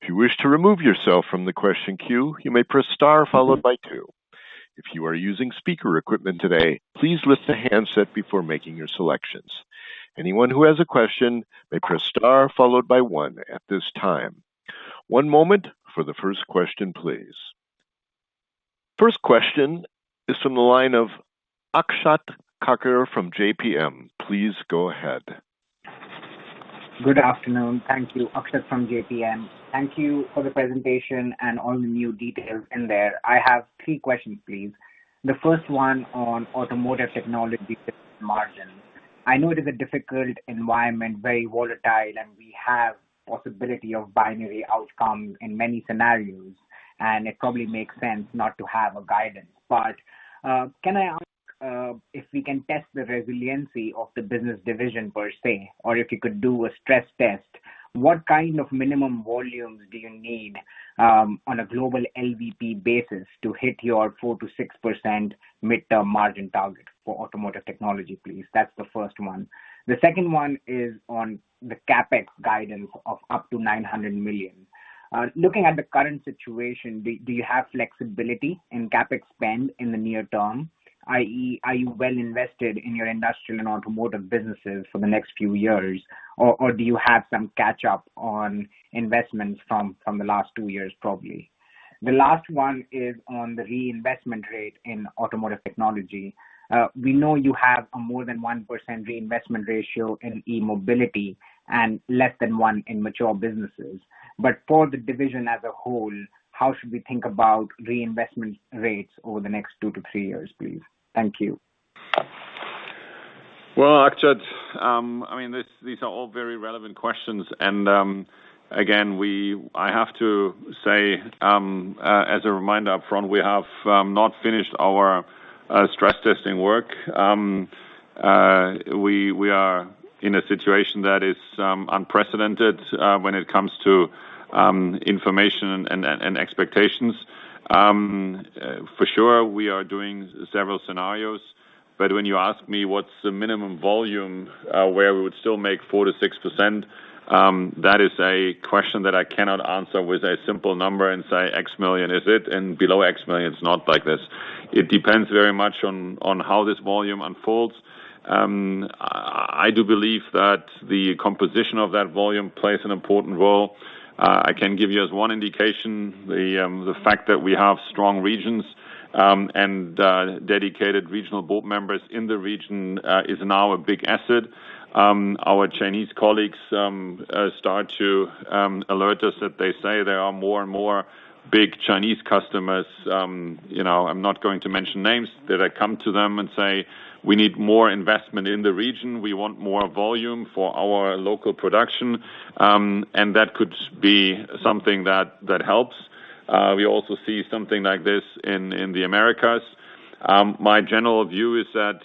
If you wish to remove yourself from the question queue, you may press star followed by two. If you are using speaker equipment today, please lift the handset before making your selections. Anyone who has a question may press star followed by one at this time. One moment for the first question, please. First question is from the line of Akshat Kacker from JPMorgan. Please go ahead. Good afternoon. Thank you. Akshat from JPMorgan. Thank you for the presentation and all the new details in there. I have three questions, please. The first one on automotive technology margins. I know it is a difficult environment, very volatile, and we have possibility of binary outcome in many scenarios, and it probably makes sense not to have a guidance. But can I ask if we can test the resiliency of the business division per se, or if you could do a stress test, what kind of minimum volumes do you need on a global LVP basis to hit your 4%-6% midterm margin target for automotive technology, please? That's the first one. The second one is on the CapEx guidance of up to 900 million. Looking at the current situation, do you have flexibility in CapEx spend in the near term? I.e., are you well invested in your industrial and automotive businesses for the next few years? Or do you have some catch up on investments from the last two years, probably? The last one is on the reinvestment rate in automotive technology. We know you have a more than 1% reinvestment ratio in E-Mobility and less than 1% in mature businesses. But for the division as a whole, how should we think about reinvestment rates over the next two to three years, please? Thank you. Well, Akshat, I mean, this, these are all very relevant questions. Again, I have to say, as a reminder upfront, we have not finished our stress testing work. We are in a situation that is unprecedented when it comes to information and expectations. For sure, we are doing several scenarios. When you ask me what's the minimum volume where we would still make 4%-6%, that is a question that I cannot answer with a simple number and say X million is it and below X million is not like this. It depends very much on how this volume unfolds. I do believe that the composition of that volume plays an important role. I can give you as one indication, the fact that we have strong regions and dedicated regional board members in the region is now a big asset. Our Chinese colleagues start to alert us that they say there are more and more big Chinese customers, you know, I'm not going to mention names, that come to them and say, "We need more investment in the region. We want more volume for our local production." That could be something that helps. We also see something like this in the Americas. My general view is that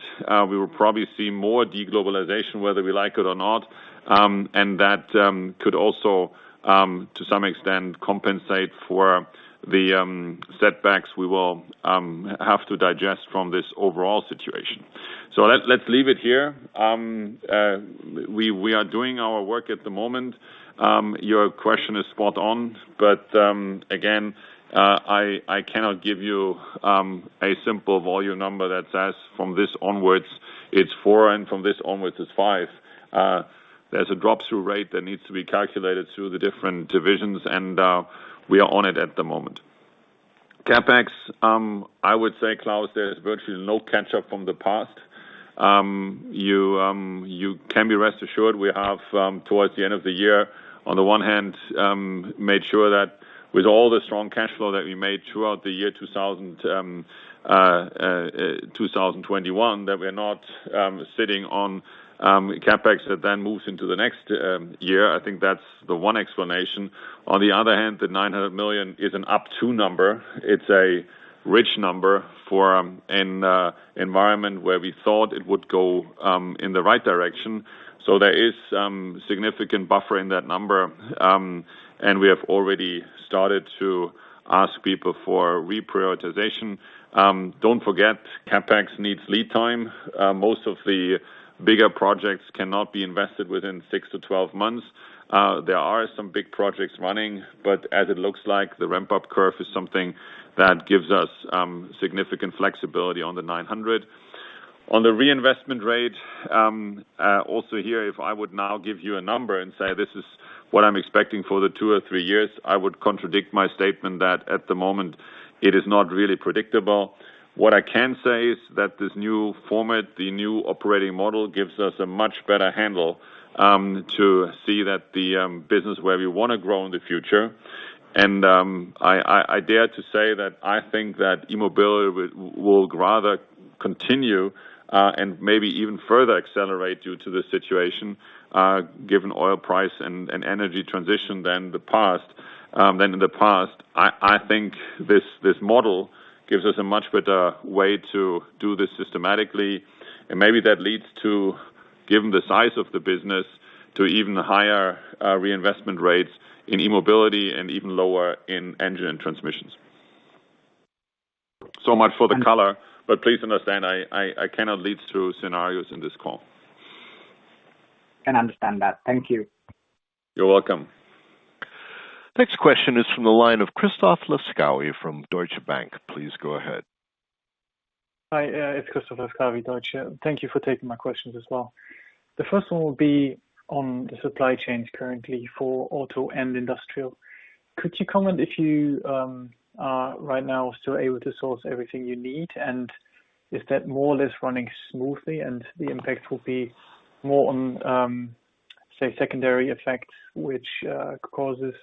we will probably see more de-globalization whether we like it or not. That could also to some extent compensate for the setbacks we will have to digest from this overall situation. Let's leave it here. We are doing our work at the moment. Your question is spot on. Again, I cannot give you a simple volume number that says from this onwards it's four, and from this onwards it's five. There's a drop-through rate that needs to be calculated through the different divisions, and we are on it at the moment. CapEx, I would say, Klaus, there is virtually no catch-up from the past. You can rest assured we have, towards the end of the year, on the one hand, made sure that with all the strong cash flow that we made throughout the year 2021, that we're not sitting on CapEx that then moves into the next year. I think that's the one explanation. On the other hand, the 900 million is an up-to number. It's a rich number for an environment where we thought it would go in the right direction. There is some significant buffer in that number, and we have already started to ask people for reprioritization. Don't forget, CapEx needs lead time. Most of the bigger projects cannot be invested within six to 12 months. There are some big projects running, but as it looks like, the ramp-up curve is something that gives us significant flexibility on the 900. On the reinvestment rate, also here, if I would now give you a number and say, "This is what I'm expecting for the two or three years," I would contradict my statement that at the moment it is not really predictable. What I can say is that this new format, the new operating model, gives us a much better handle to see that the business where we wanna grow in the future. I dare to say that I think that e-mobility will rather continue and maybe even further accelerate due to this situation, given oil price and energy transition than in the past. I think this model gives us a much better way to do this systematically, and maybe that leads to, given the size of the business, to even higher reinvestment rates in e-mobility and even lower in engine transmissions. Much for the color, but please understand, I cannot lead through scenarios in this call. can understand that. Thank you. You're welcome. Next question is from the line of Christoph Laskawi from Deutsche Bank. Please go ahead. Hi, it's Christoph Laskawi, Deutsche. Thank you for taking my questions as well. The first one will be on the supply chains currently for auto and industrial. Could you comment if you are right now still able to source everything you need? And is that more or less running smoothly, and the impact will be more on say, secondary effects which causes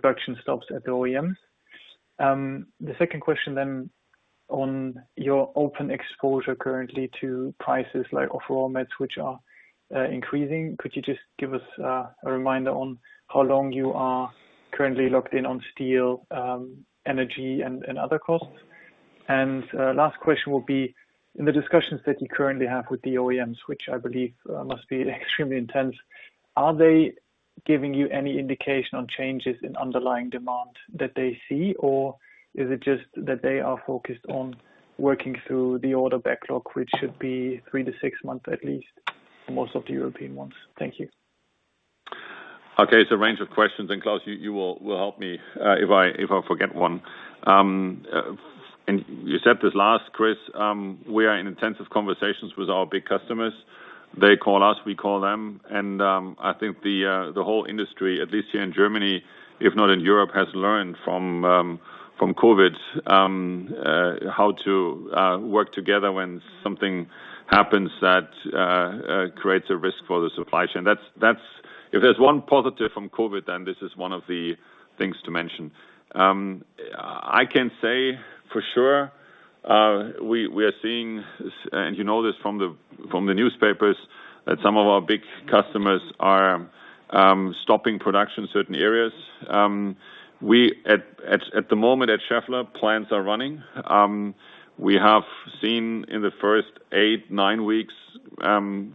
production stops at the OEMs? The second question on your open exposure currently to prices like of raw mats which are increasing. Could you just give us a reminder on how long you are currently locked in on steel, energy and other costs? Last question will be, in the discussions that you currently have with the OEMs, which I believe must be extremely intense, are they giving you any indication on changes in underlying demand that they see? Or is it just that they are focused on working through the order backlog, which should be 3-6 months at least, most of the European ones? Thank you. Okay. It's a range of questions, and Klaus, you will help me if I forget one. You said this last, Chris. We are in intensive conversations with our big customers. They call us, we call them, and I think the whole industry, at least here in Germany, if not in Europe, has learned from COVID how to work together when something happens that creates a risk for the supply chain. That's. If there's one positive from COVID, then this is one of the things to mention. I can say for sure, we are seeing and you know this from the newspapers, that some of our big customers are stopping production in certain areas. We at the moment at Schaeffler plants are running. We have seen in the first eight to nine weeks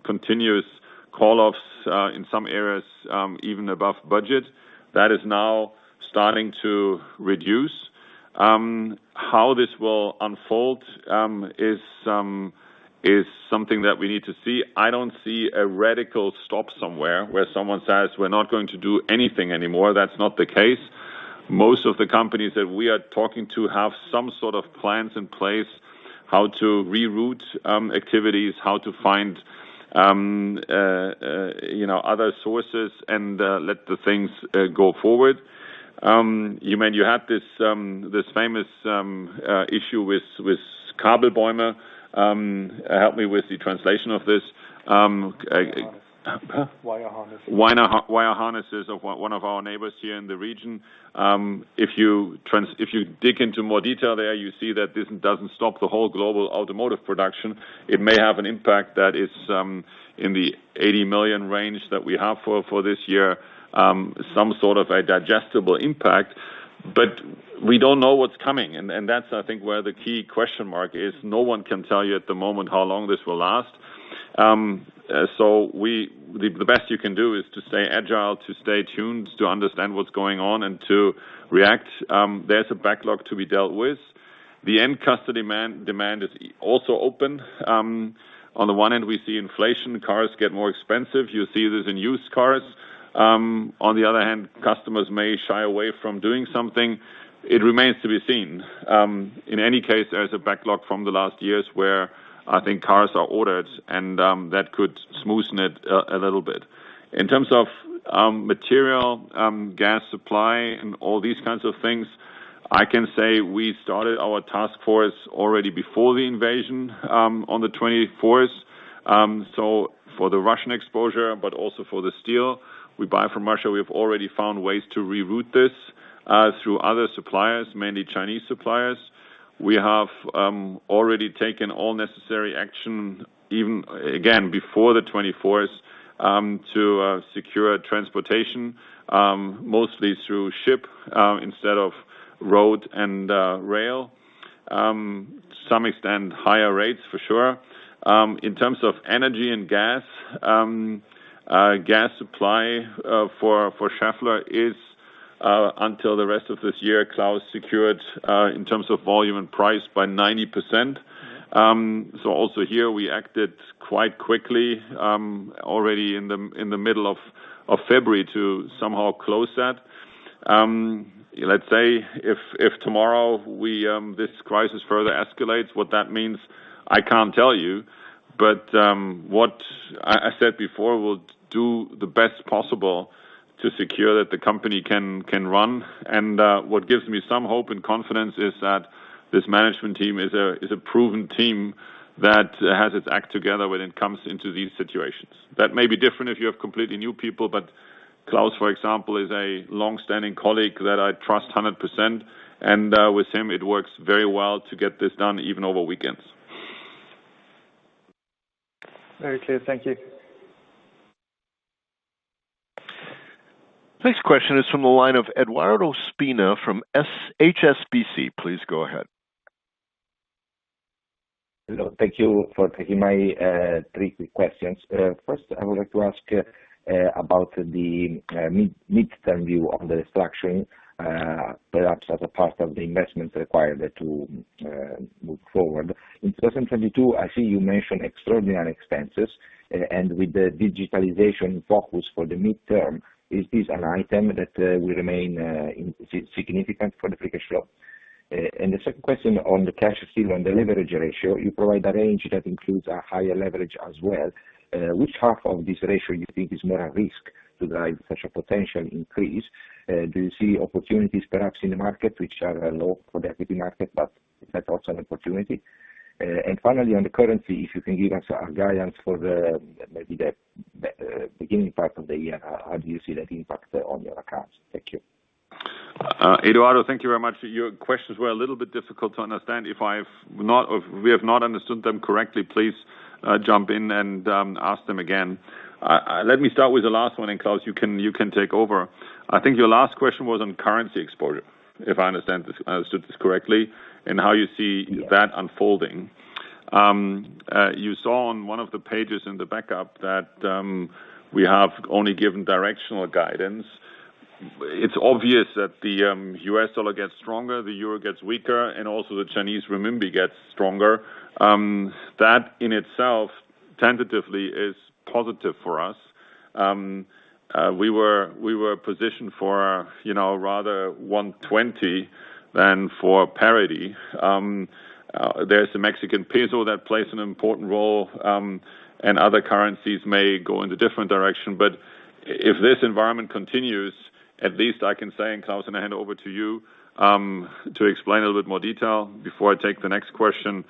continuous call-offs in some areas even above budget. That is now starting to reduce. How this will unfold is something that we need to see. I don't see a radical stop somewhere where someone says, "We're not going to do anything anymore." That's not the case. Most of the companies that we are talking to have some sort of plans in place how to reroute activities, how to find you know other sources and let the things go forward. You mean you had this famous issue with Kabelbäume, help me with the translation of this. Huh? Wire harnesses of one of our neighbors here in the region. If you dig into more detail there, you see that this doesn't stop the whole global automotive production. It may have an impact that is in the 80 million range that we have for this year, some sort of a digestible impact, but we don't know what's coming. That's, I think, where the key question mark is. No one can tell you at the moment how long this will last. The best you can do is to stay agile, to stay tuned, to understand what's going on and to react. There's a backlog to be dealt with. The end customer demand is also open. On the one end, we see inflation, cars get more expensive. You see this in used cars. On the other hand, customers may shy away from doing something. It remains to be seen. In any case, there's a backlog from the last years where, I think, cars are ordered and, that could smoothen it a little bit. In terms of, material, gas supply, and all these kinds of things, I can say we started our task force already before the invasion, on the twenty-fourth. For the Russian exposure, but also for the steel we buy from Russia, we have already found ways to reroute this, through other suppliers, mainly Chinese suppliers. We have, already taken all necessary action, even, again, before the twenty-fourth, to, secure transportation, mostly through ship, instead of road and, rail. To some extent, higher rates for sure. In terms of energy and gas supply for Schaeffler is until the rest of this year, Klaus secured, in terms of volume and price, by 90%. Also here, we acted quite quickly, already in the middle of February to somehow close that. Let's say if tomorrow this crisis further escalates, what that means, I can't tell you. What I said before, we'll do the best possible to secure that the company can run. What gives me some hope and confidence is that this management team is a proven team that has its act together when it comes into these situations. That may be different if you have completely new people, but Klaus, for example, is a long-standing colleague that I trust 100%. With him, it works very well to get this done even over weekends. Very clear. Thank you. Next question is from the line of Edoardo Spina from HSBC. Please go ahead. Hello. Thank you for taking my three quick questions. First, I would like to ask about the mid-term view on the restructuring, perhaps as a part of the investments required to move forward. In 2022, I see you mentioned extraordinary expenses, and with the digitalization focus for the mid-term, is this an item that will remain significant for the free cash flow? The second question on the cash flow and the leverage ratio, you provide a range that includes a higher leverage as well. Which half of this ratio you think is more at risk to drive such a potential increase? Do you see opportunities perhaps in the market which are low for the equity market, but is that also an opportunity? Finally, on the currency, if you can give us a guidance for the, maybe the beginning part of the year, how do you see that impact on your accounts? Thank you. Edoardo, thank you very much. Your questions were a little bit difficult to understand. If I've not or if we have not understood them correctly, please, jump in and ask them again. Let me start with the last one, and Klaus you can take over. I think your last question was on currency exposure, if I understand this correctly, and how you see That unfolding. You saw on one of the pages in the backup that we have only given directional guidance. It's obvious that the U.S. dollar gets stronger, the euro gets weaker, and also the Chinese Renminbi gets stronger. That in itself tentatively is positive for us. We were positioned for, you know, rather 1.20 than for parity. There's the Mexican peso that plays an important role, and other currencies may go in the different direction. But if this environment continues, at least I can say, and Klaus, I'm gonna hand over to you to explain a little bit more detail before I take the next question.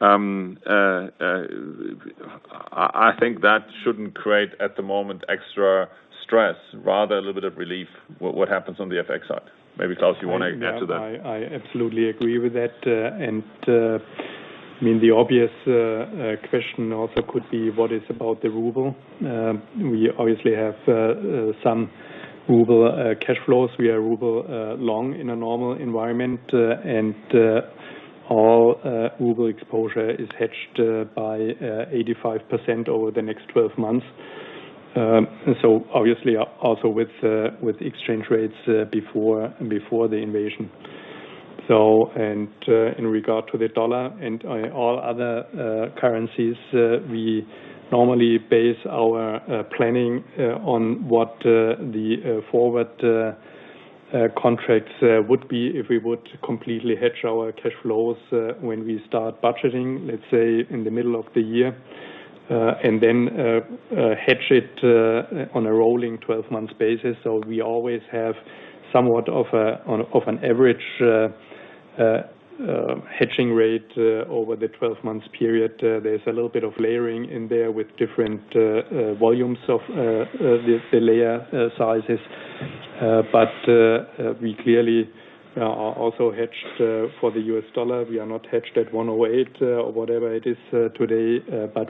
I think that shouldn't create, at the moment, extra stress, rather a little bit of relief what happens on the FX side. Maybe, Klaus, you wanna get to that? I absolutely agree with that. I mean, the obvious question also could be what about the ruble? We obviously have some ruble cash flows. We are ruble long in a normal environment, and all ruble exposure is hedged by 85% over the next 12 months. Obviously also with exchange rates before the invasion. In regard to the dollar and all other currencies, we normally base our planning on what the forward contracts would be if we would completely hedge our cash flows when we start budgeting, let's say, in the middle of the year, and then hedge it on a rolling 12-month basis. We always have somewhat of an average hedging rate over the 12 months period. There's a little bit of layering in there with different volumes of the layer sizes. We clearly are also hedged for the U.S. dollar. We are not hedged at 1.08 or whatever it is today.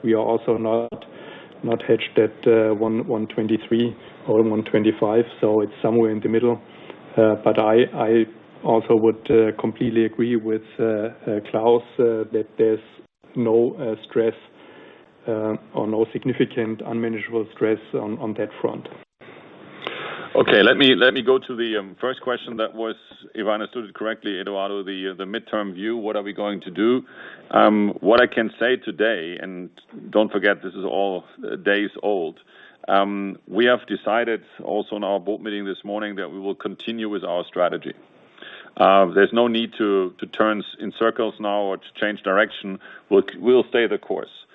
We are also not hedged at 1.23 or 1.25. It's somewhere in the middle. I also would completely agree with Klaus that there's no stress or no significant unmanageable stress on that front. Okay. Let me go to the first question that was, if I understood correctly, Edoardo, the midterm view, what are we going to do? What I can say today, and don't forget this is all days old, we have decided also in our board meeting this morning that we will continue with our strategy. There's no need to turn in circles now or to change direction. We'll stay the course.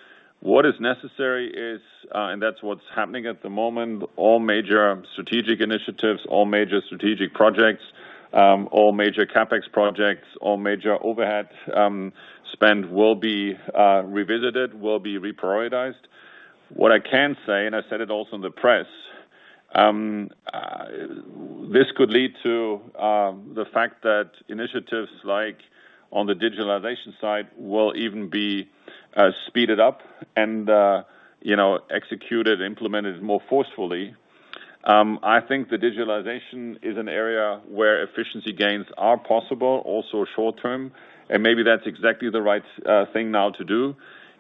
What is necessary is, and that's what's happening at the moment. All major strategic initiatives, all major strategic projects, all major CapEx projects, all major overhead spend will be revisited, will be reprioritized. What I can say, and I said it also in the press, this could lead to the fact that initiatives like on the digitalization side will even be speeded up and, you know, executed, implemented more forcefully. I think the digitalization is an area where efficiency gains are possible, also short-term, and maybe that's exactly the right thing now to do.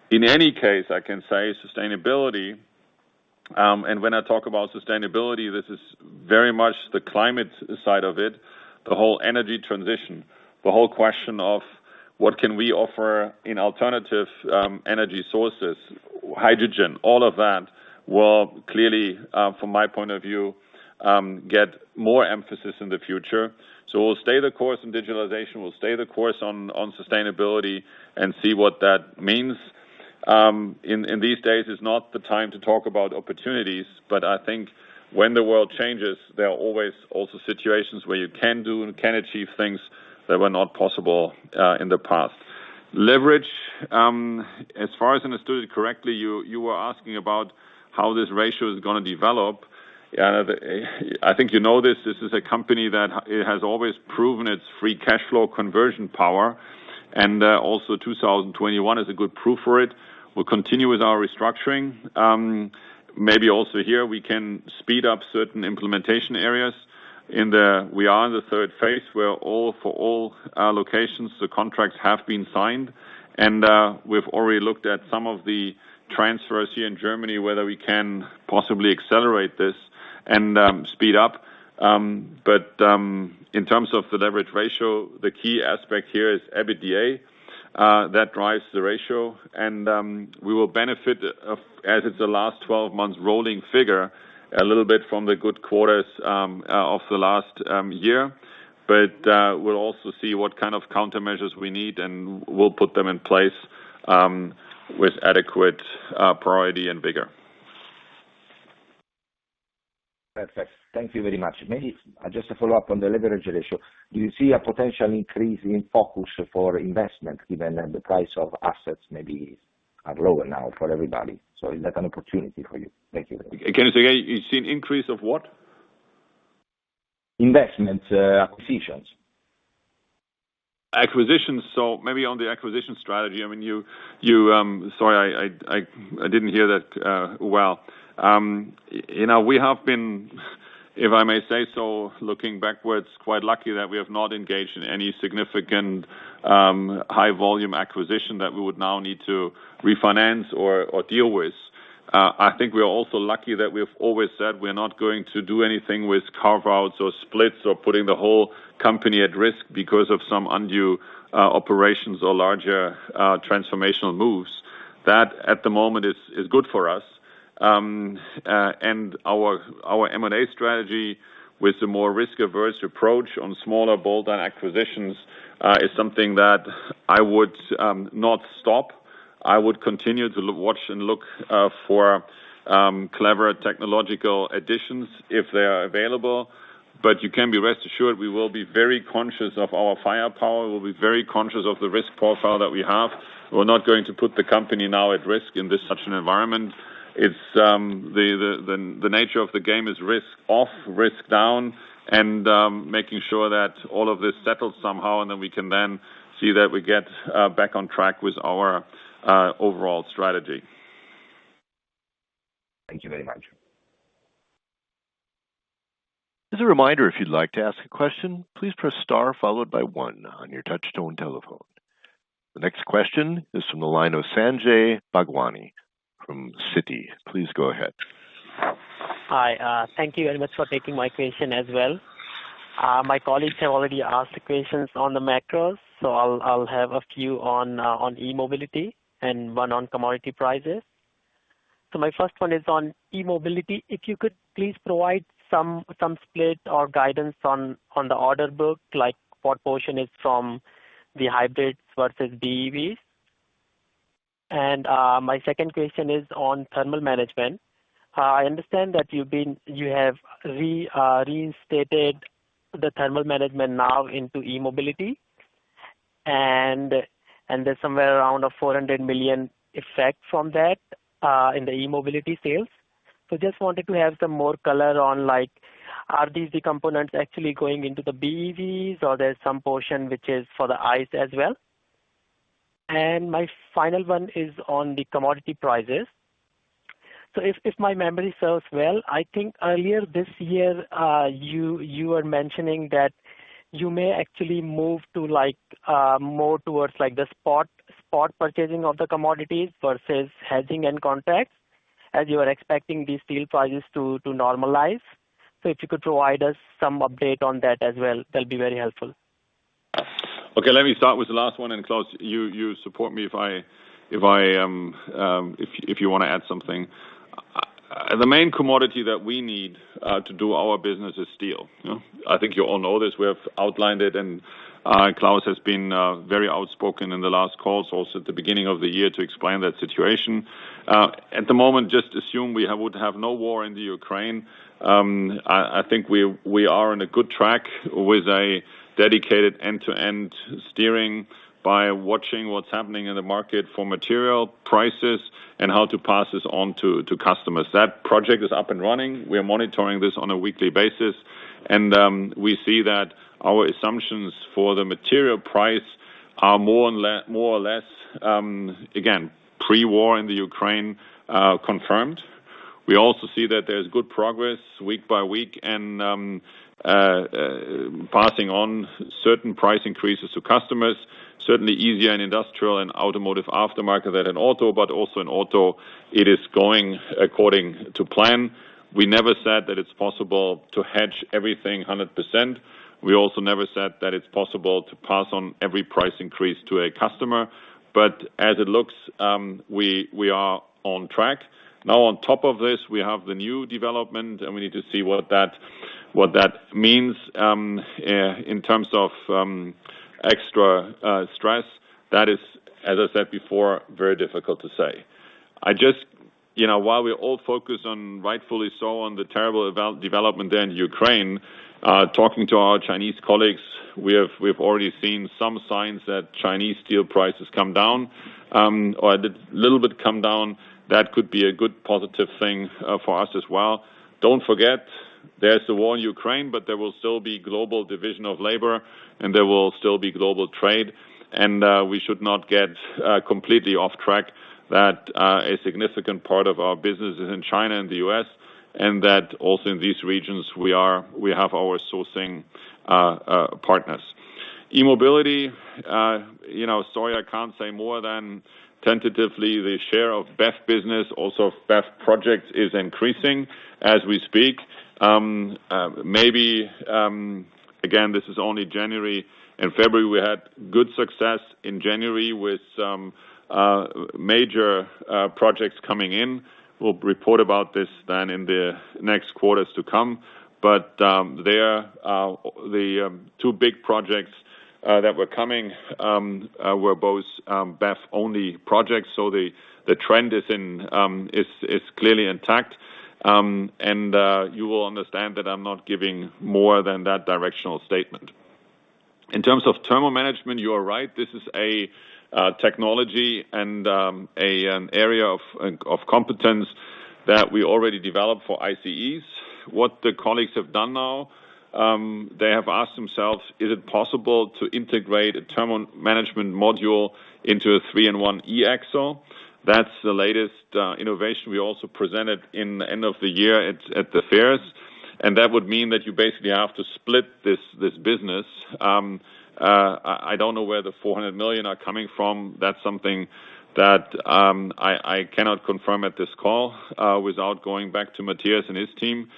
In any case, I can say sustainability, and when I talk about sustainability, this is very much the climate side of it, the whole energy transition, the whole question of what can we offer in alternative energy sources, hydrogen, all of that will clearly, from my point of view, get more emphasis in the future. We'll stay the course in digitalization. We'll stay the course on sustainability and see what that means. In these days is not the time to talk about opportunities, but I think when the world changes, there are always also situations where you can do and can achieve things that were not possible in the past. Leverage, as far as I understood it correctly, you were asking about how this ratio is gonna develop. I think you know this. This is a company that it has always proven its free cash flow conversion power. 2021 is a good proof for it. We'll continue with our restructuring. Maybe also here we can speed up certain implementation areas. We are in the third phase where for all locations the contracts have been signed. We've already looked at some of the transfers here in Germany, whether we can possibly accelerate this and speed up. In terms of the leverage ratio, the key aspect here is EBITDA that drives the ratio. We will benefit from, as it's the last 12 months rolling figure, a little bit from the good quarters of the last year. We'll also see what kind of countermeasures we need, and we'll put them in place with adequate priority and vigor. Perfect. Thank you very much. Maybe just to follow up on the leverage ratio, do you see a potential increase in focus for investment given that the price of assets maybe are lower now for everybody? Is that an opportunity for you? Thank you very much. Can you say again? You see an increase of what? Investments, acquisitions. Acquisitions. Maybe on the acquisition strategy. I mean, you... Sorry, I didn't hear that. You know, we have been, if I may say so, looking backwards, quite lucky that we have not engaged in any significant high volume acquisition that we would now need to refinance or deal with. I think we are also lucky that we've always said we're not going to do anything with carve-outs or splits or putting the whole company at risk because of some undue operations or larger transformational moves. That at the moment is good for us. Our M&A strategy with the more risk-averse approach on smaller bolt-on acquisitions is something that I would not stop. I would continue to watch and look for clever technological additions if they are available. But you can be rest assured we will be very conscious of our firepower. We'll be very conscious of the risk profile that we have. We're not going to put the company now at risk in this such an environment. It's the nature of the game is risk off, risk down, and making sure that all of this settles somehow, and we can see that we get back on track with our overall strategy. Thank you very much. As a reminder, if you'd like to ask a question, please press star followed by one on your touch tone telephone. The next question is from the line of Sanjay Bhagwani from Citi. Please go ahead. Hi. Thank you very much for taking my question as well. My colleagues have already asked questions on the macros, so I'll have a few on e-mobility and one on commodity prices. My first one is on e-mobility. If you could please provide some split or guidance on the order book, like what portion is from the hybrids versus BEVs. And my second question is on thermal management. I understand that you have reinstated the thermal management now into e-mobility. And there's somewhere around 400 million effect from that in the e-mobility sales. I just wanted to have some more color on like, are these the components actually going into the BEVs, or there's some portion which is for the ICE as well? My final one is on the commodity prices. If my memory serves well, I think earlier this year, you were mentioning that you may actually move to like more towards like the spot purchasing of the commodities versus hedging and contracts, as you are expecting these steel prices to normalize. If you could provide us some update on that as well, that'll be very helpful. Okay, let me start with the last one. Claus, you support me if you wanna add something. The main commodity that we need to do our business is steel. You know? I think you all know this. We have outlined it, and Klaus has been very outspoken in the last calls, also at the beginning of the year to explain that situation. At the moment, just assume we would have no war in the Ukraine. I think we are on a good track with a dedicated end-to-end steering by watching what's happening in the market for material prices and how to pass this on to customers. That project is up and running. We are monitoring this on a weekly basis. We see that our assumptions for the material price are more or less, again, pre-war in the Ukraine, confirmed. We also see that there's good progress week by week in passing on certain price increases to customers, certainly easier in industrial and Automotive Aftermarket than in auto. Also in auto, it is going according to plan. We never said that it's possible to hedge everything 100%. We also never said that it's possible to pass on every price increase to a customer. As it looks, we are on track. Now on top of this, we have the new development, and we need to see what that means in terms of extra stress. That is, as I said before, very difficult to say. I just. You know, while we're all focused on, rightfully so, on the terrible overall development there in Ukraine, talking to our Chinese colleagues, we've already seen some signs that Chinese steel prices come down a little bit. That could be a good positive thing for us as well. Don't forget, there's a war in Ukraine, but there will still be global division of labor, and there will still be global trade. We should not get completely off track that a significant part of our business is in China and the U.S., and that also in these regions we have our sourcing partners. E-Mobility, you know, sorry I can't say more than tentatively the share of BEV business, also BEV projects is increasing as we speak. Maybe again, this is only January and February. We had good success in January with some major projects coming in. We'll report about this then in the next quarters to come. There, the two big projects that were coming were both BEV-only projects, so the trend is clearly intact. You will understand that I'm not giving more than that directional statement. In terms of thermal management, you are right. This is a technology and an area of competence that we already developed for ICEs. What the colleagues have done now, they have asked themselves, "Is it possible to integrate a thermal management module into a 3in1 e-axle?" That's the latest innovation we also presented at the end of the year at the fairs. That would mean that you basically have to split this business. I don't know where the 400 million are coming from. That's something that I cannot confirm at this call without going back to Matthias and his team.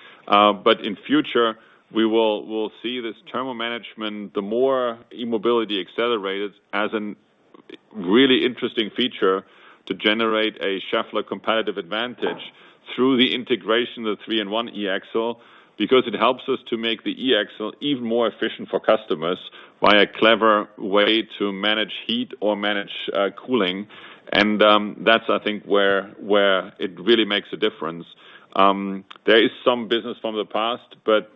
In future, we'll see this thermal management, the more e-mobility accelerates as a really interesting feature to generate a Schaeffler competitive advantage through the integration of the 3in1 e-axle. Because it helps us to make the e-axle even more efficient for customers by a clever way to manage heat or manage cooling. That's I think where it really makes a difference. There is some business from the past, but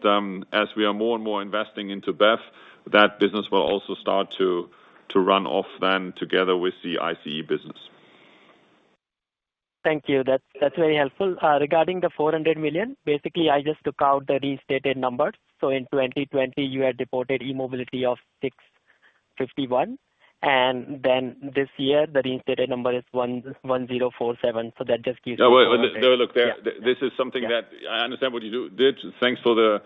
as we are more and more investing into BEV, that business will also start to run off then together with the ICE business. Thank you. That's very helpful. Regarding the 400 million, basically I just took out the restated numbers. In 2020 you had reported E-Mobility of 651 million, and then this year the restated number is 1,047 million. That just gives us 400 No, wait. Look, there. Yeah. This is something that- Yeah. I understand what you did. Thanks for the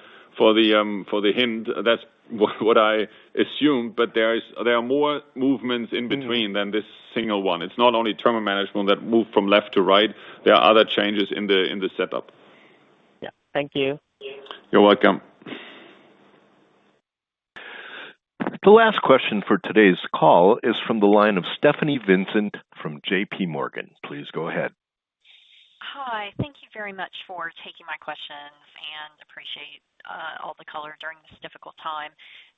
hint. That's what I assumed, but there are more movements in between. Mm-hmm. -than this single one. It's not only thermal management that moved from left to right. There are other changes in the setup. Yeah. Thank you. You're welcome. The last question for today's call is from the line of Stephanie Vincent from JPMorgan. Please go ahead. Hi, thank you very much for taking my questions and appreciate all the color during this difficult time.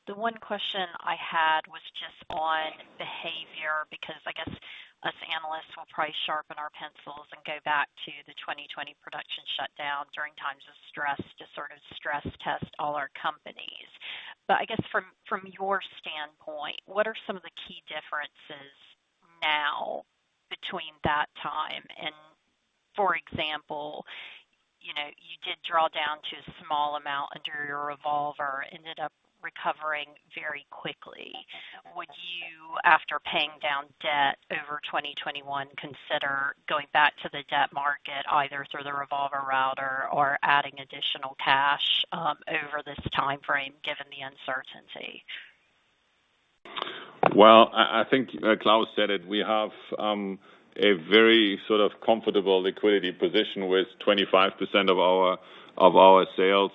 The one question I had was just on behavior, because I guess us analysts will probably sharpen our pencils and go back to the 2020 production shutdown during times of stress to sort of stress test all our companies. I guess from your standpoint, what are some of the key differences now between that time and, for example, you know, you did draw down to a small amount under your revolver, ended up recovering very quickly. Would you, after paying down debt over 2021, consider going back to the debt market, either through the revolver route or adding additional cash over this time frame, given the uncertainty? Well, I think Claus said it. We have a very sort of comfortable liquidity position with 25% of our sales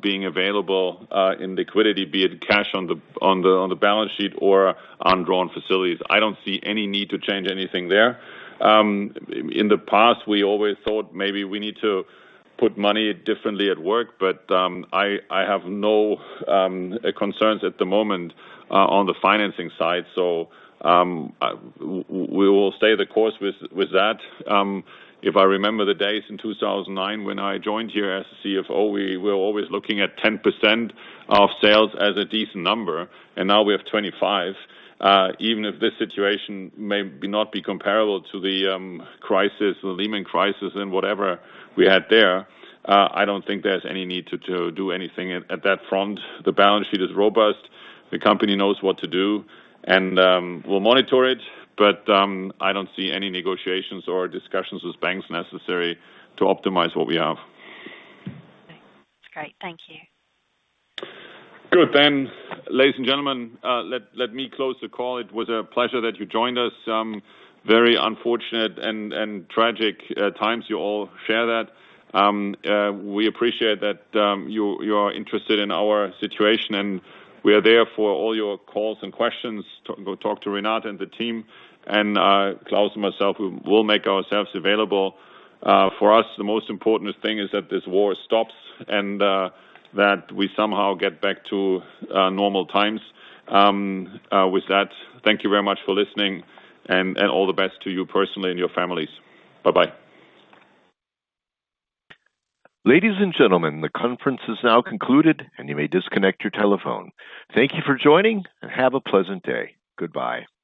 being available in liquidity, be it cash on the balance sheet or undrawn facilities. I don't see any need to change anything there. In the past, we always thought maybe we need to put money differently at work, but I have no concerns at the moment on the financing side. We will stay the course with that. If I remember the days in 2009 when I joined here as CFO, we were always looking at 10% of sales as a decent number, and now we have 25%. Even if this situation may not be comparable to the crisis, the Lehman crisis and whatever we had there, I don't think there's any need to do anything at that front. The balance sheet is robust. The company knows what to do and we'll monitor it. I don't see any negotiations or discussions with banks necessary to optimize what we have. That's great. Thank you. Good. Ladies and gentlemen, let me close the call. It was a pleasure that you joined us. Very unfortunate and tragic times. You all share that. We appreciate that you are interested in our situation, and we are there for all your calls and questions. Talk to Renata and the team and Claus and myself. We'll make ourselves available. For us, the most important thing is that this war stops and that we somehow get back to normal times. With that, thank you very much for listening and all the best to you personally and your families. Bye-bye. Ladies and gentlemen, the conference is now concluded, and you may disconnect your telephone. Thank you for joining and have a pleasant day. Goodbye.